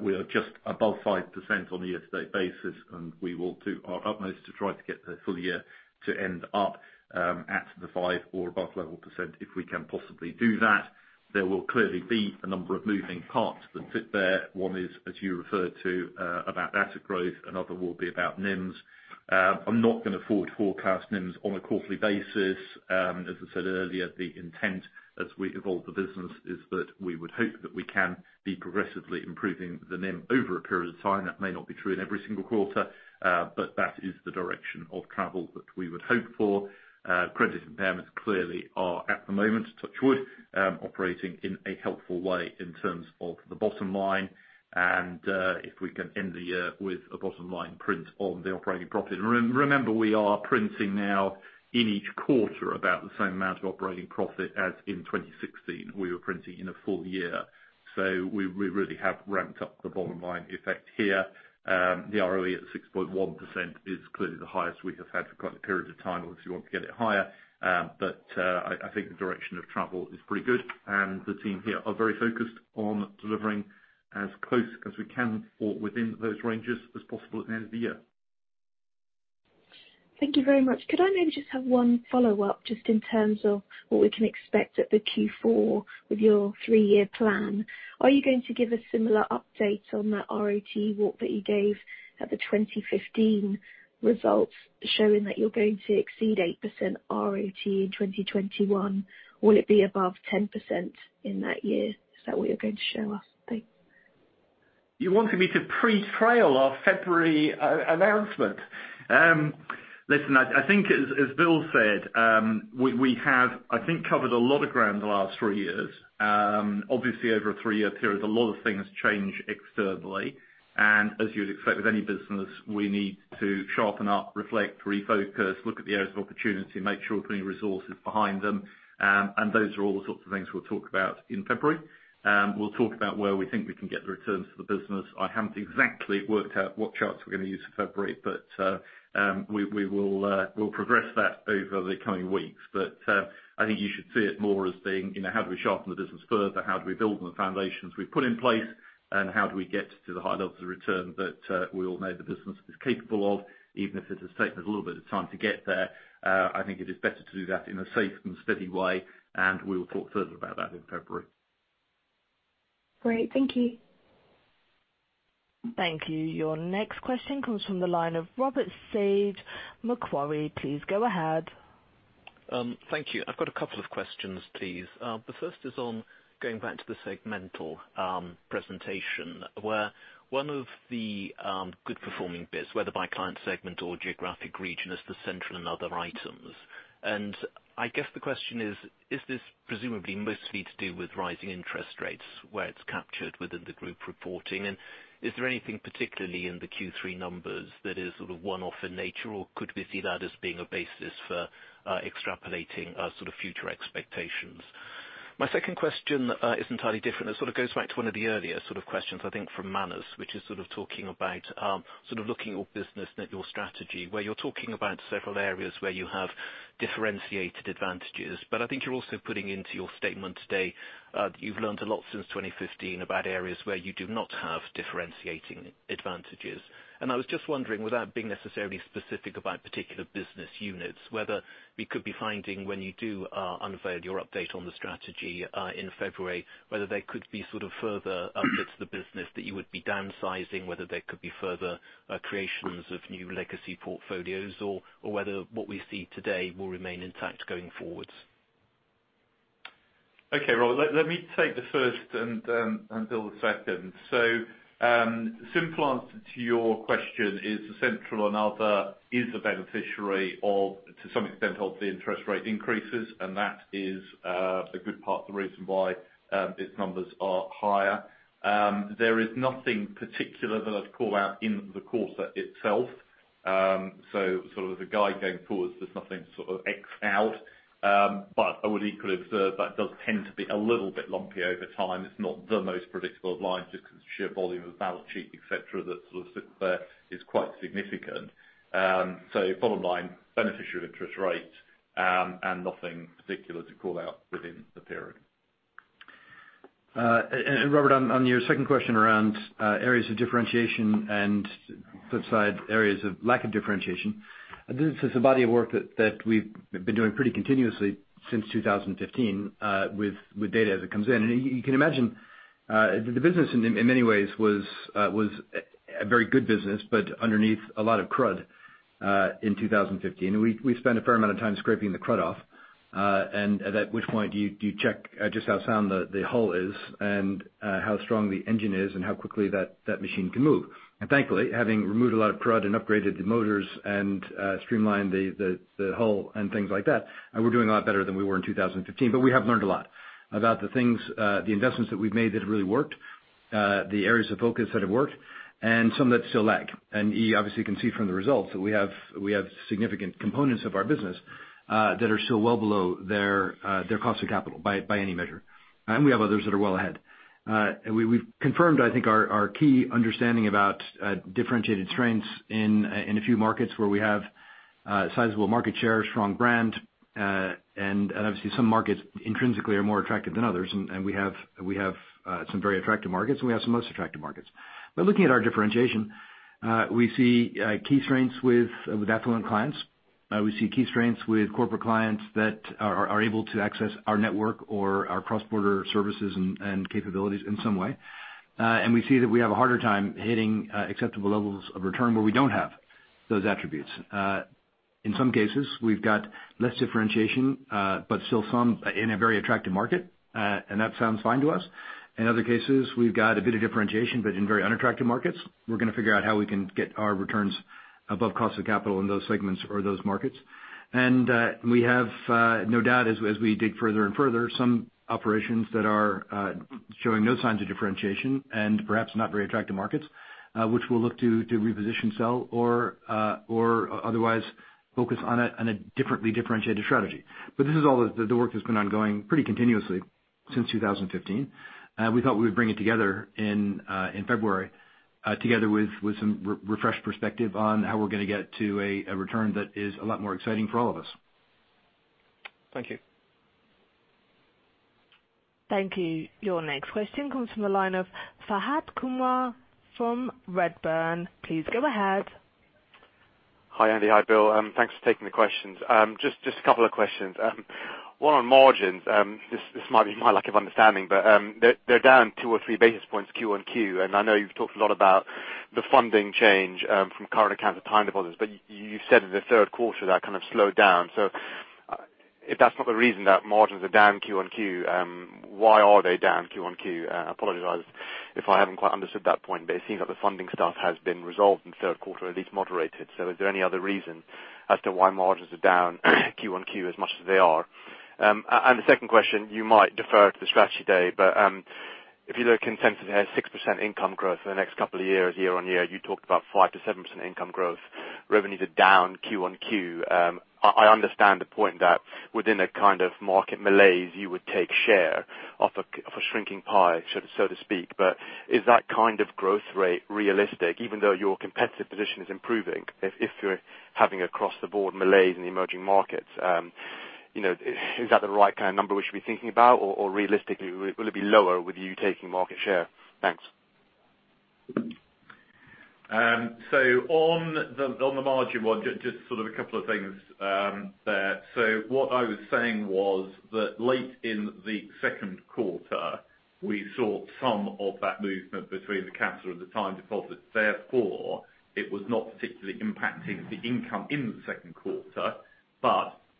We are just above 5% on a year-to-date basis, and we will do our utmost to try to get the full year to end up at the 5% or above level, if we can possibly do that. There will clearly be a number of moving parts that sit there. One is, as you referred to, about asset growth. Another will be about NIMs. I'm not going to forecast NIMs on a quarterly basis. As I said earlier, the intent as we evolve the business is that we would hope that we can be progressively improving the NIM over a period of time. That may not be true in every single quarter, but that is the direction of travel that we would hope for. Credit impairments clearly are at the moment, touch wood, operating in a helpful way in terms of the bottom line. If we can end the year with a bottom line print on the operating profit. Remember, we are printing now in each quarter about the same amount of operating profit as in 2016, we were printing in a full year. We really have ramped up the bottom line effect here. The ROE at 6.1% is clearly the highest we have had for quite a period of time. Obviously, want to get it higher. I think the direction of travel is pretty good. The team here are very focused on delivering as close as we can or within those ranges as possible at the end of the year. Thank you very much. Could I maybe just have one follow-up just in terms of what we can expect at the Q4 with your three-year plan? Are you going to give a similar update on that ROTE walk that you gave at the 2015 results, showing that you're going to exceed 8% ROTE in 2021? Will it be above 10% in that year? Is that what you're going to show us? Thanks. You wanted me to pre-trail our February announcement. Listen, I think as Bill said, we have, I think, covered a lot of ground in the last three years. Obviously, over a three-year period, a lot of things change externally. As you'd expect with any business, we need to sharpen up, reflect, refocus, look at the areas of opportunity, make sure we put any resources behind them. Those are all the sorts of things we'll talk about in February. We'll talk about where we think we can get the returns for the business. I haven't exactly worked out what charts we're going to use for February, but we'll progress that over the coming weeks. I think you should see it more as being, how do we sharpen the business further? How do we build on the foundations we've put in place? How do we get to the high levels of return that we all know the business is capable of, even if it has taken us a little bit of time to get there? I think it is better to do that in a safe and steady way, and we will talk further about that in February. Great. Thank you. Thank you. Your next question comes from the line of Robert Sage, Macquarie. Please go ahead. Thank you. I've got a couple of questions, please. The first is on going back to the segmental presentation, where one of the good performing bits, whether by client segment or geographic region, is the central and other items. I guess the question is this presumably mostly to do with rising interest rates where it's captured within the group reporting? Is there anything particularly in the Q3 numbers that is sort of one-off in nature, or could we see that as being a basis for extrapolating future expectations? My second question is entirely different. It sort of goes back to one of the earlier questions, I think from Manus, which is sort of talking about looking at your business, your strategy, where you're talking about several areas where you have differentiated advantages. I think you're also putting into your statement today, you've learned a lot since 2015 about areas where you do not have differentiating advantages. I was just wondering, without being necessarily specific about particular business units, whether we could be finding, when you do unveil your update on the strategy in February, whether there could be further updates to the business that you would be downsizing, whether there could be further creations of new legacy portfolios, or whether what we see today will remain intact going forwards. Okay, Robert, let me take the first and Bill the second. The simple answer to your question is the central and other is a beneficiary of, to some extent, the interest rate increases, that is a good part of the reason why its numbers are higher. There is nothing particular that I'd call out in the quarter itself. As a guide going forward, there's nothing X-ed out. I would equally observe that does tend to be a little bit lumpy over time. It's not the most predictable of lines just because the sheer volume of the balance sheet, et cetera, that sit there is quite significant. Bottom line, beneficiary of interest rates, nothing particular to call out within the period. Robert, on your second question around areas of differentiation and flip side areas of lack of differentiation. This is a body of work that we've been doing pretty continuously since 2015 with data as it comes in. You can imagine, the business in many ways was a very good business, but underneath a lot of crud in 2015. We spent a fair amount of time scraping the crud off, at which point you check just how sound the hull is and how strong the engine is and how quickly that machine can move. Thankfully, having removed a lot of crud and upgraded the motors and streamlined the hull and things like that, we're doing a lot better than we were in 2015. We have learned a lot about the things, the investments that we've made that have really worked, the areas of focus that have worked, and some that still lag. You obviously can see from the results that we have significant components of our business that are still well below their cost of capital by any measure. We have others that are well ahead. We've confirmed, I think, our key understanding about differentiated strengths in a few markets where we have sizable market share, strong brand. Obviously some markets intrinsically are more attractive than others. We have some very attractive markets, and we have some less attractive markets. Looking at our differentiation, we see key strengths with affluent clients. We see key strengths with corporate clients that are able to access our network or our cross-border services and capabilities in some way. We see that we have a harder time hitting acceptable levels of return where we don't have those attributes. In some cases, we've got less differentiation, but still some in a very attractive market, and that sounds fine to us. In other cases, we've got a bit of differentiation, but in very unattractive markets. We're going to figure out how we can get our returns above cost of capital in those segments or those markets. We have no doubt, as we dig further and further, some operations that are showing no signs of differentiation and perhaps not very attractive markets, which we'll look to reposition, sell, or otherwise focus on a differently differentiated strategy. This is all the work that's been ongoing pretty continuously since 2015. We thought we would bring it together in February, together with some refreshed perspective on how we're going to get to a return that is a lot more exciting for all of us. Thank you. Thank you. Your next question comes from the line of Fahed Kunwar from Redburn. Please go ahead. Hi, Andy. Hi, Bill. Thanks for taking the questions. Just a couple of questions. One on margins. This might be my lack of understanding, but they're down two or three basis points QoQ. I know you've talked a lot about the funding change from current accounts and time deposits, but you said in the third quarter that kind of slowed down. If that's not the reason that margins are down QoQ, why are they down QoQ? I apologize if I haven't quite understood that point, but it seems like the funding stuff has been resolved in the third quarter, at least moderated. Is there any other reason as to why margins are down QoQ as much as they are? The second question, you might defer to the strategy day, but if you look consensus has 6% income growth for the next couple of years, year-on-year. You talked about 5% to 7% income growth. Revenues are down QoQ. I understand the point that within a kind of market malaise, you would take share off a shrinking pie, so to speak. Is that kind of growth rate realistic, even though your competitive position is improving? If you're having across the board malaise in the emerging markets, is that the right kind of number we should be thinking about? Realistically, will it be lower with you taking market share? Thanks. On the margin one, just a couple of things there. What I was saying was that late in the second quarter, we saw some of that movement between the capital and the time deposit. Therefore, it was not particularly impacting the income in the second quarter.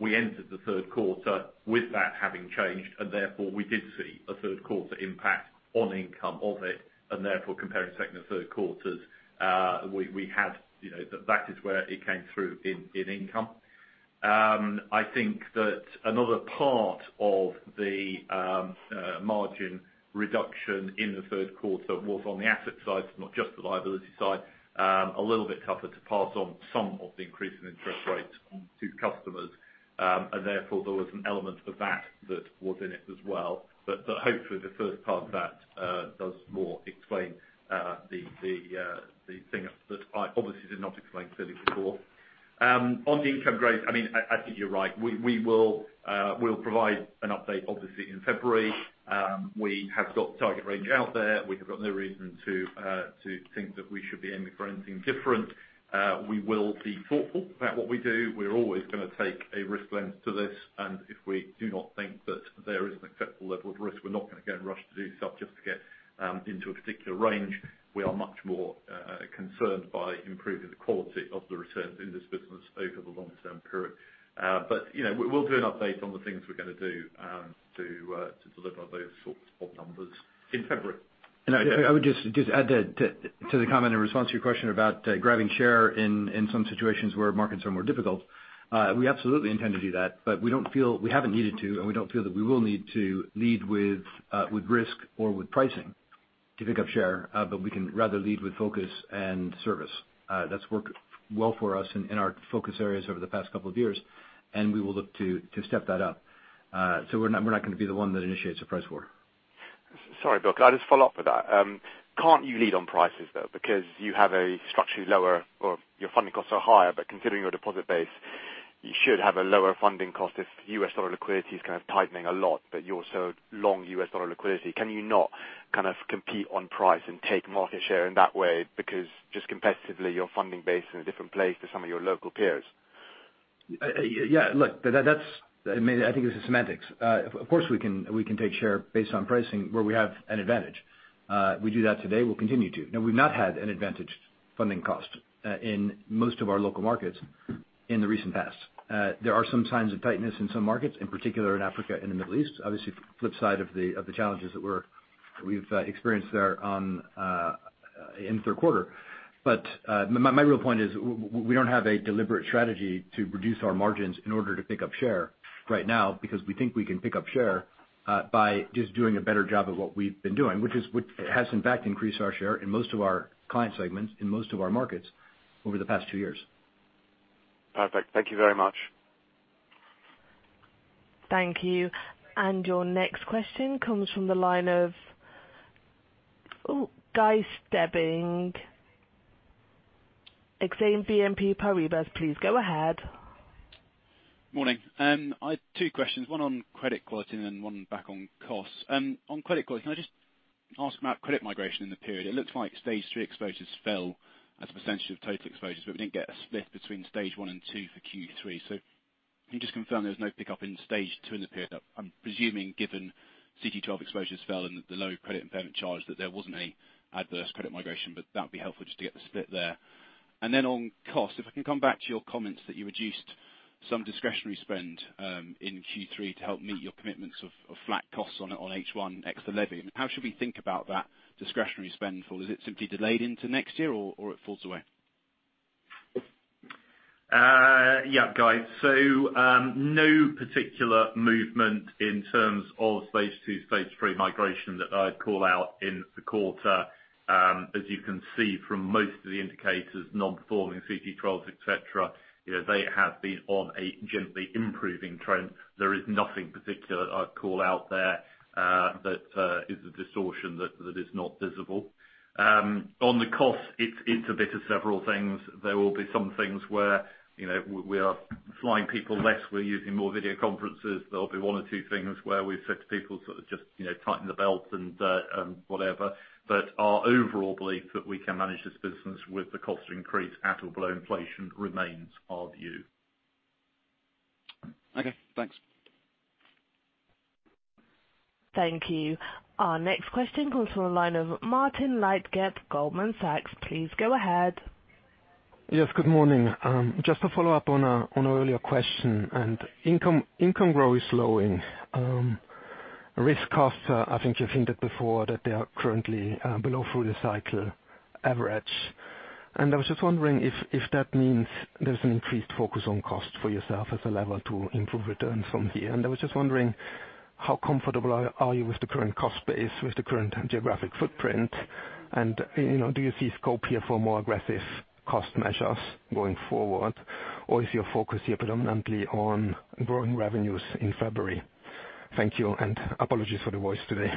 We entered the third quarter with that having changed, and therefore we did see a third quarter impact on income of it, and therefore comparing second and third quarters, that is where it came through in income. I think that another part of the margin reduction in the third quarter was on the asset side, not just the liability side. A little bit tougher to pass on some of the increase in interest rates to customers. Therefore, there was an element of that that was in it as well. Hopefully the first part of that does more explain the thing that I obviously did not explain clearly before. On the income growth, I think you're right. We'll provide an update, obviously, in February. We have got the target range out there. We have got no reason to think that we should be aiming for anything different. We will be thoughtful about what we do. We're always going to take a risk lens to this, and if we do not think that there is an acceptable level of risk, we're not going to go and rush to do stuff just to get into a particular range. We are much more concerned by improving the quality of the returns in this business over the long term period. We'll do an update on the things we're going to do to deliver those sort of numbers in February. I would just add to the comment, in response to your question about grabbing share in some situations where markets are more difficult. We absolutely intend to do that. We haven't needed to. We don't feel that we will need to lead with risk or with pricing to pick up share. We can rather lead with focus and service. That's worked well for us in our focus areas over the past couple of years. We will look to step that up. We're not going to be the one that initiates a price war. Sorry, Bill, could I just follow up with that? Can't you lead on prices, though? You have a structurally lower or your funding costs are higher. Considering your deposit base, you should have a lower funding cost if US dollar liquidity is kind of tightening a lot. You're so long US dollar liquidity. Can you not kind of compete on price and take market share in that way? Just competitively, your funding base is in a different place to some of your local peers. Yeah. Look, I think this is semantics. Of course, we can take share based on pricing where we have an advantage. We do that today, we'll continue to. We've not had an advantage funding cost in most of our local markets in the recent past. There are some signs of tightness in some markets, in particular in Africa and the Middle East. Obviously, flip side of the challenges that we've experienced there in the third quarter. My real point is, we don't have a deliberate strategy to reduce our margins in order to pick up share right now, because we think we can pick up share by just doing a better job of what we've been doing. Which has, in fact, increased our share in most of our client segments, in most of our markets over the past two years. Perfect. Thank you very much. Thank you. Your next question comes from the line of Guy Stebbings, Exane BNP Paribas. Please go ahead. Morning. I had two questions, one on credit quality and then one back on costs. On credit quality, can I just ask about credit migration in the period? It looks like stage 3 exposures fell as a percentage of total exposures, but we didn't get a split between stage 1 and 2 for Q3. Can you just confirm there was no pickup in stage 2 in the period? I'm presuming, given CG12 exposures fell and the low credit impairment charge, that there wasn't a adverse credit migration, but that would be helpful just to get the split there. On cost, if I can come back to your comments that you reduced some discretionary spend in Q3 to help meet your commitments of flat costs on H1 ex the levy. How should we think about that discretionary spend? Is it simply delayed into next year or it falls away? Yeah, Guy. No particular movement in terms of phase II, phase III migration that I'd call out in the quarter. As you can see from most of the indicators, non-performing CG12s, et cetera, they have been on a gently improving trend. There is nothing particular I'd call out there that is a distortion that is not visible. On the cost, it's a bit of several things. There will be some things where we are flying people less, we're using more video conferences. There'll be one or two things where we've said to people sort of just tighten the belt and whatever. Our overall belief that we can manage this business with the cost increase at or below inflation remains our view. Okay, thanks. Thank you. Our next question comes from the line of Martin Leitgeb, Goldman Sachs. Please go ahead. Yes, good morning. Just to follow up on a earlier question, income growth is slowing. Risk costs, I think you've hinted before that they are currently below through the cycle average. I was just wondering if that means there's an increased focus on cost for yourself as a lever to improve returns from here. I was just wondering how comfortable are you with the current cost base, with the current geographic footprint, and do you see scope here for more aggressive cost measures going forward? Is your focus here predominantly on growing revenues in February? Thank you, and apologies for the voice today.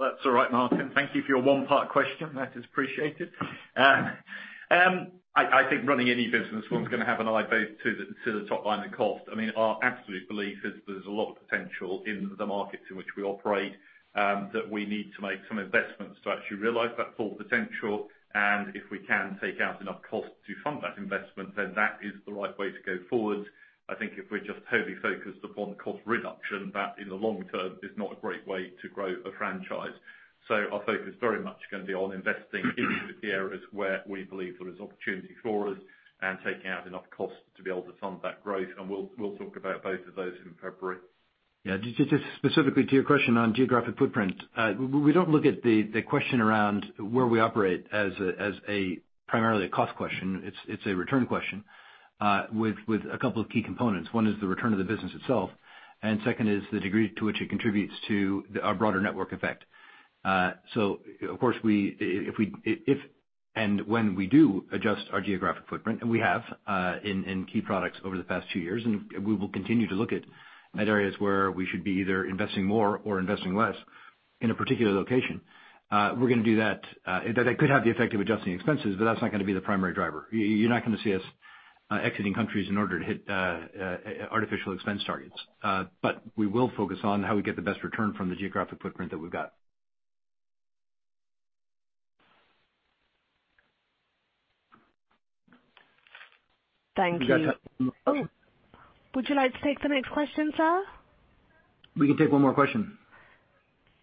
That's all right, Martin. Thank you for your one-part question. That is appreciated. I think running any business, one's going to have an eye both to the top line and cost. Our absolute belief is there's a lot of potential in the markets in which we operate, that we need to make some investments to actually realize that full potential. If we can take out enough cost to fund that investment, that is the right way to go forward. I think if we're just totally focused upon the cost reduction, that in the long term is not a great way to grow a franchise. Our focus very much is going to be on investing in the areas where we believe there is opportunity for us, and taking out enough cost to be able to fund that growth. We'll talk about both of those in February. Yeah. Just specifically to your question on geographic footprint. We don't look at the question around where we operate as primarily a cost question. It's a return question, with a couple of key components. One is the return of the business itself, and second is the degree to which it contributes to our broader network effect. Of course, if and when we do adjust our geographic footprint, we have in key products over the past two years, we will continue to look at areas where we should be either investing more or investing less in a particular location. We're going to do that. That could have the effect of adjusting expenses, that's not going to be the primary driver. You're not going to see us exiting countries in order to hit artificial expense targets. We will focus on how we get the best return from the geographic footprint that we've got. Thank you. We've got time for one more question. Would you like to take the next question, sir? We can take one more question.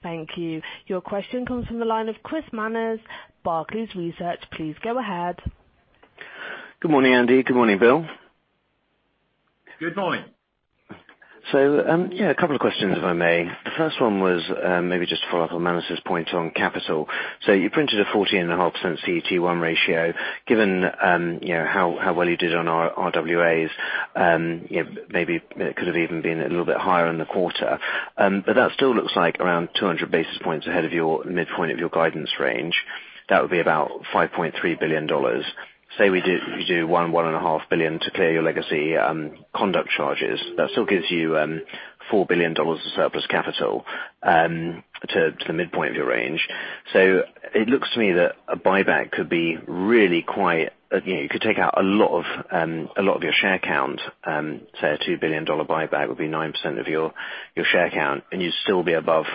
Thank you. Your question comes from the line of Chris Manners, Barclays Research. Please go ahead. Good morning, Andy. Good morning, Bill. Good morning. yeah, a couple of questions, if I may. The first one was maybe just to follow up on Manus' point on capital. You printed a 14.5% CET1 ratio. Given how well you did on RWAs, maybe it could have even been a little bit higher in the quarter. That still looks like around 200 basis points ahead of your midpoint of your guidance range. That would be about $5.3 billion. Say we do $1.5 billion to clear your legacy conduct charges. That still gives you $4 billion of surplus capital to the midpoint of your range. It looks to me that a buyback could be really quite. You could take out a lot of your share count. Say a $2 billion buyback would be 9% of your share count, and you'd still be above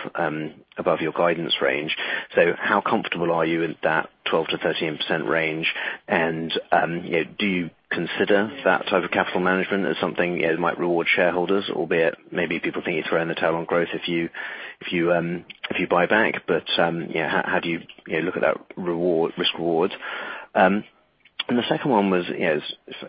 your guidance range. How comfortable are you in that 12%-13% range? Do you consider that type of capital management as something that might reward shareholders, albeit maybe people think it's throwing the towel on growth if you buy back. How do you look at that risk reward? The second one was,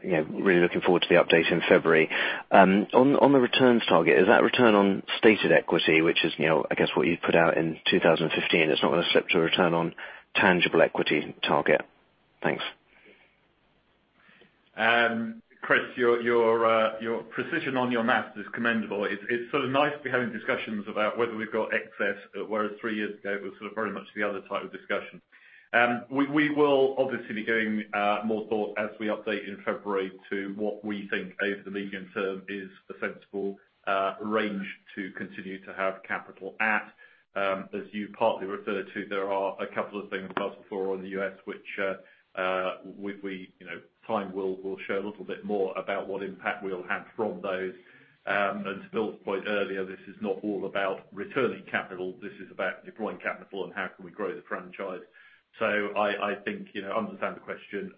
really looking forward to the update in February. On the returns target, is that return on stated equity, which is, I guess, what you put out in 2015, it's not going to slip to a return on tangible equity target? Thanks. Chris, your precision on your math is commendable. It's sort of nice to be having discussions about whether we've got excess, whereas three years ago, it was very much the other type of discussion. We will obviously be giving more thought as we update in February to what we think over the medium term is a sensible range to continue to have capital at. As you partly referred to, there are a couple of things for us before on the U.S., which with time we'll share a little bit more about what impact we'll have from those. To Bill's point earlier, this is not all about returning capital, this is about deploying capital and how can we grow the franchise. I think I understand the question,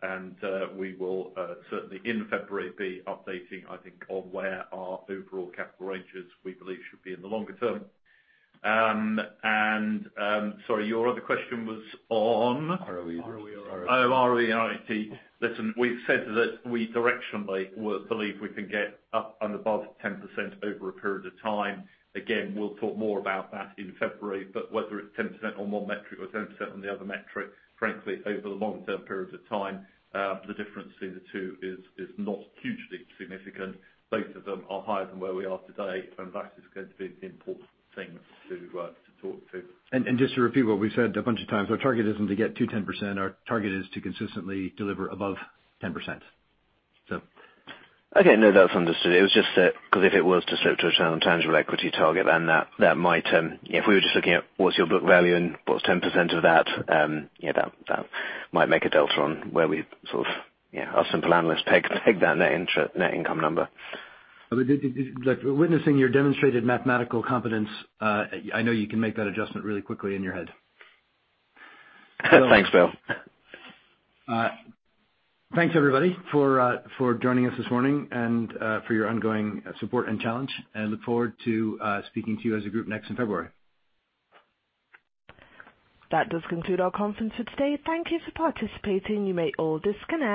we will certainly in February be updating, I think, on where our overall capital ranges we believe should be in the longer term. Sorry, your other question was on? ROE. Oh, ROE. Listen, we've said that we directionally believe we can get up and above 10% over a period of time. Again, we'll talk more about that in February. Whether it's 10% on one metric or 10% on the other metric, frankly, over the long-term periods of time, the difference between the two is not hugely significant. Both of them are higher than where we are today. That is going to be the important thing to talk to. Just to repeat what we've said a bunch of times, our target isn't to get to 10%, our target is to consistently deliver above 10%. Okay. No, that's understood. It was just that because if it was to slip to a tangible equity target, then if we were just looking at what's your book value and what's 10% of that might make a delta on where we sort of, us simple analysts peg that net income number. Witnessing your demonstrated mathematical competence, I know you can make that adjustment really quickly in your head. Thanks, Bill. Thanks, everybody, for joining us this morning and for your ongoing support and challenge. I look forward to speaking to you as a group next in February. That does conclude our conference for today. Thank you for participating. You may all disconnect.